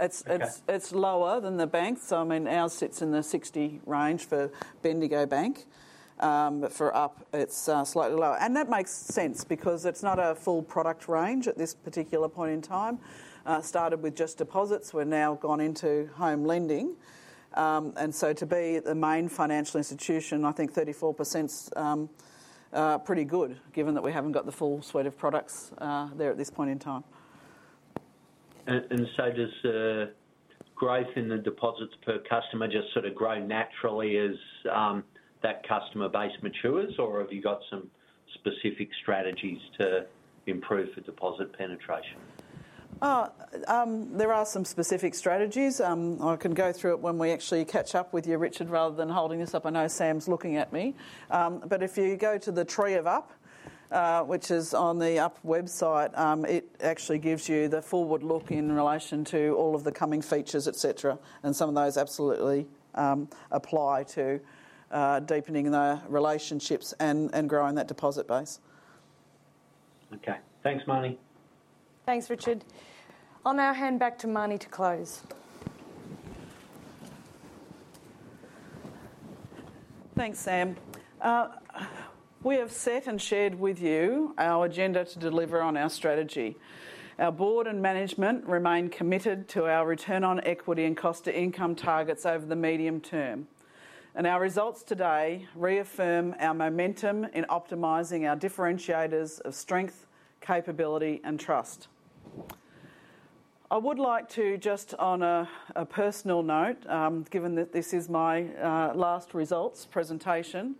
It's lower than the banks. So I mean, ours sits in the 60 range for Bendigo Bank. But for Up, it's slightly lower. And that makes sense because it's not a full product range at this particular point in time. Started with just deposits, we're now gone into home lending. And so to be the main financial institution, I think 34%'s pretty good, given that we haven't got the full suite of products there at this point in time. Does the growth in the deposits per customer just sort of grow naturally as that customer base matures, or have you got some specific strategies to improve the deposit penetration?
There are some specific strategies. I can go through it when we actually catch up with you, Richard, rather than holding this up. I know Sam's looking at me, but if you go to the Tree of Up, which is on the Up website, it actually gives you the forward look in relation to all of the coming features, et cetera, and some of those absolutely apply to deepening the relationships and growing that deposit base. Okay. Thanks, Marnie.
Thanks, Richard. I'll now hand back to Marnie to close.
Thanks, Sam. We have set and shared with you our agenda to deliver on our strategy. Our board and management remain committed to our return on equity and cost to income targets over the medium term, and our results today reaffirm our momentum in optimizing our differentiators of strength, capability, and trust. I would like to, just on a personal note, given that this is my last results presentation,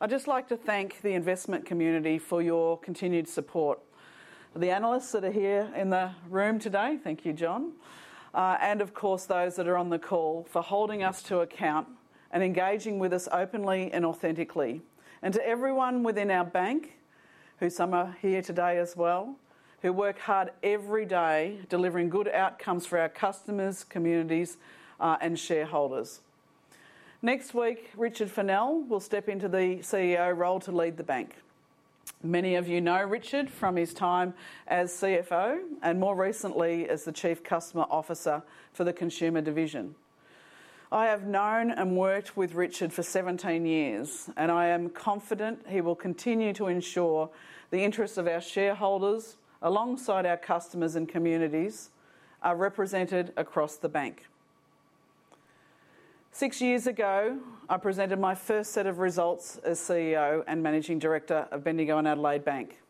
I'd just like to thank the investment community for your continued support. The analysts that are here in the room today, thank you, John, and of course, those that are on the call, for holding us to account and engaging with us openly and authentically, and to everyone within our bank, who some are here today as well, who work hard every day delivering good outcomes for our customers, communities, and shareholders. Next week, Richard Fennell will step into the CEO role to lead the bank. Many of you know Richard from his time as CFO, and more recently, as the Chief Customer Officer for the consumer division. I have known and worked with Richard for 17 years, and I am confident he will continue to ensure the interests of our shareholders, alongside our customers and communities, are represented across the bank. Six years ago, I presented my first set of results as CEO and Managing Director of Bendigo and Adelaide Bank,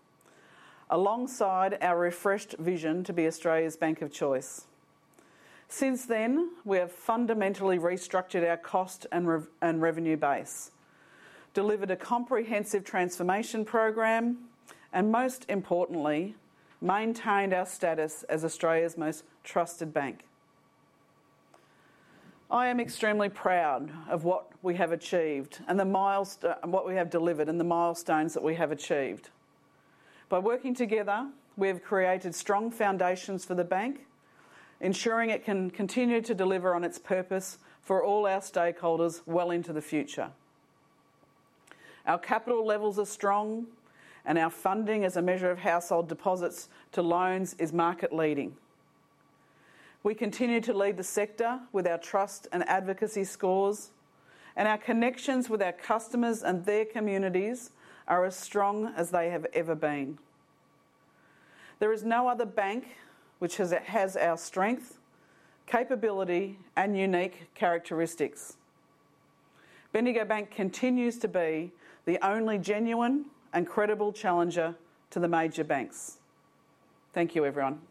alongside our refreshed vision to be Australia's bank of choice. Since then, we have fundamentally restructured our cost and revenue base, delivered a comprehensive transformation program, and most importantly, maintained our status as Australia's most trusted bank. I am extremely proud of what we have achieved and what we have delivered, and the milestones that we have achieved. By working together, we have created strong foundations for the bank, ensuring it can continue to deliver on its purpose for all our stakeholders well into the future. Our capital levels are strong, and our funding as a measure of household deposits to loans is market leading. We continue to lead the sector with our trust and advocacy scores, and our connections with our customers and their communities are as strong as they have ever been. There is no other bank which has our strength, capability, and unique characteristics. Bendigo Bank continues to be the only genuine and credible challenger to the major banks. Thank you, everyone.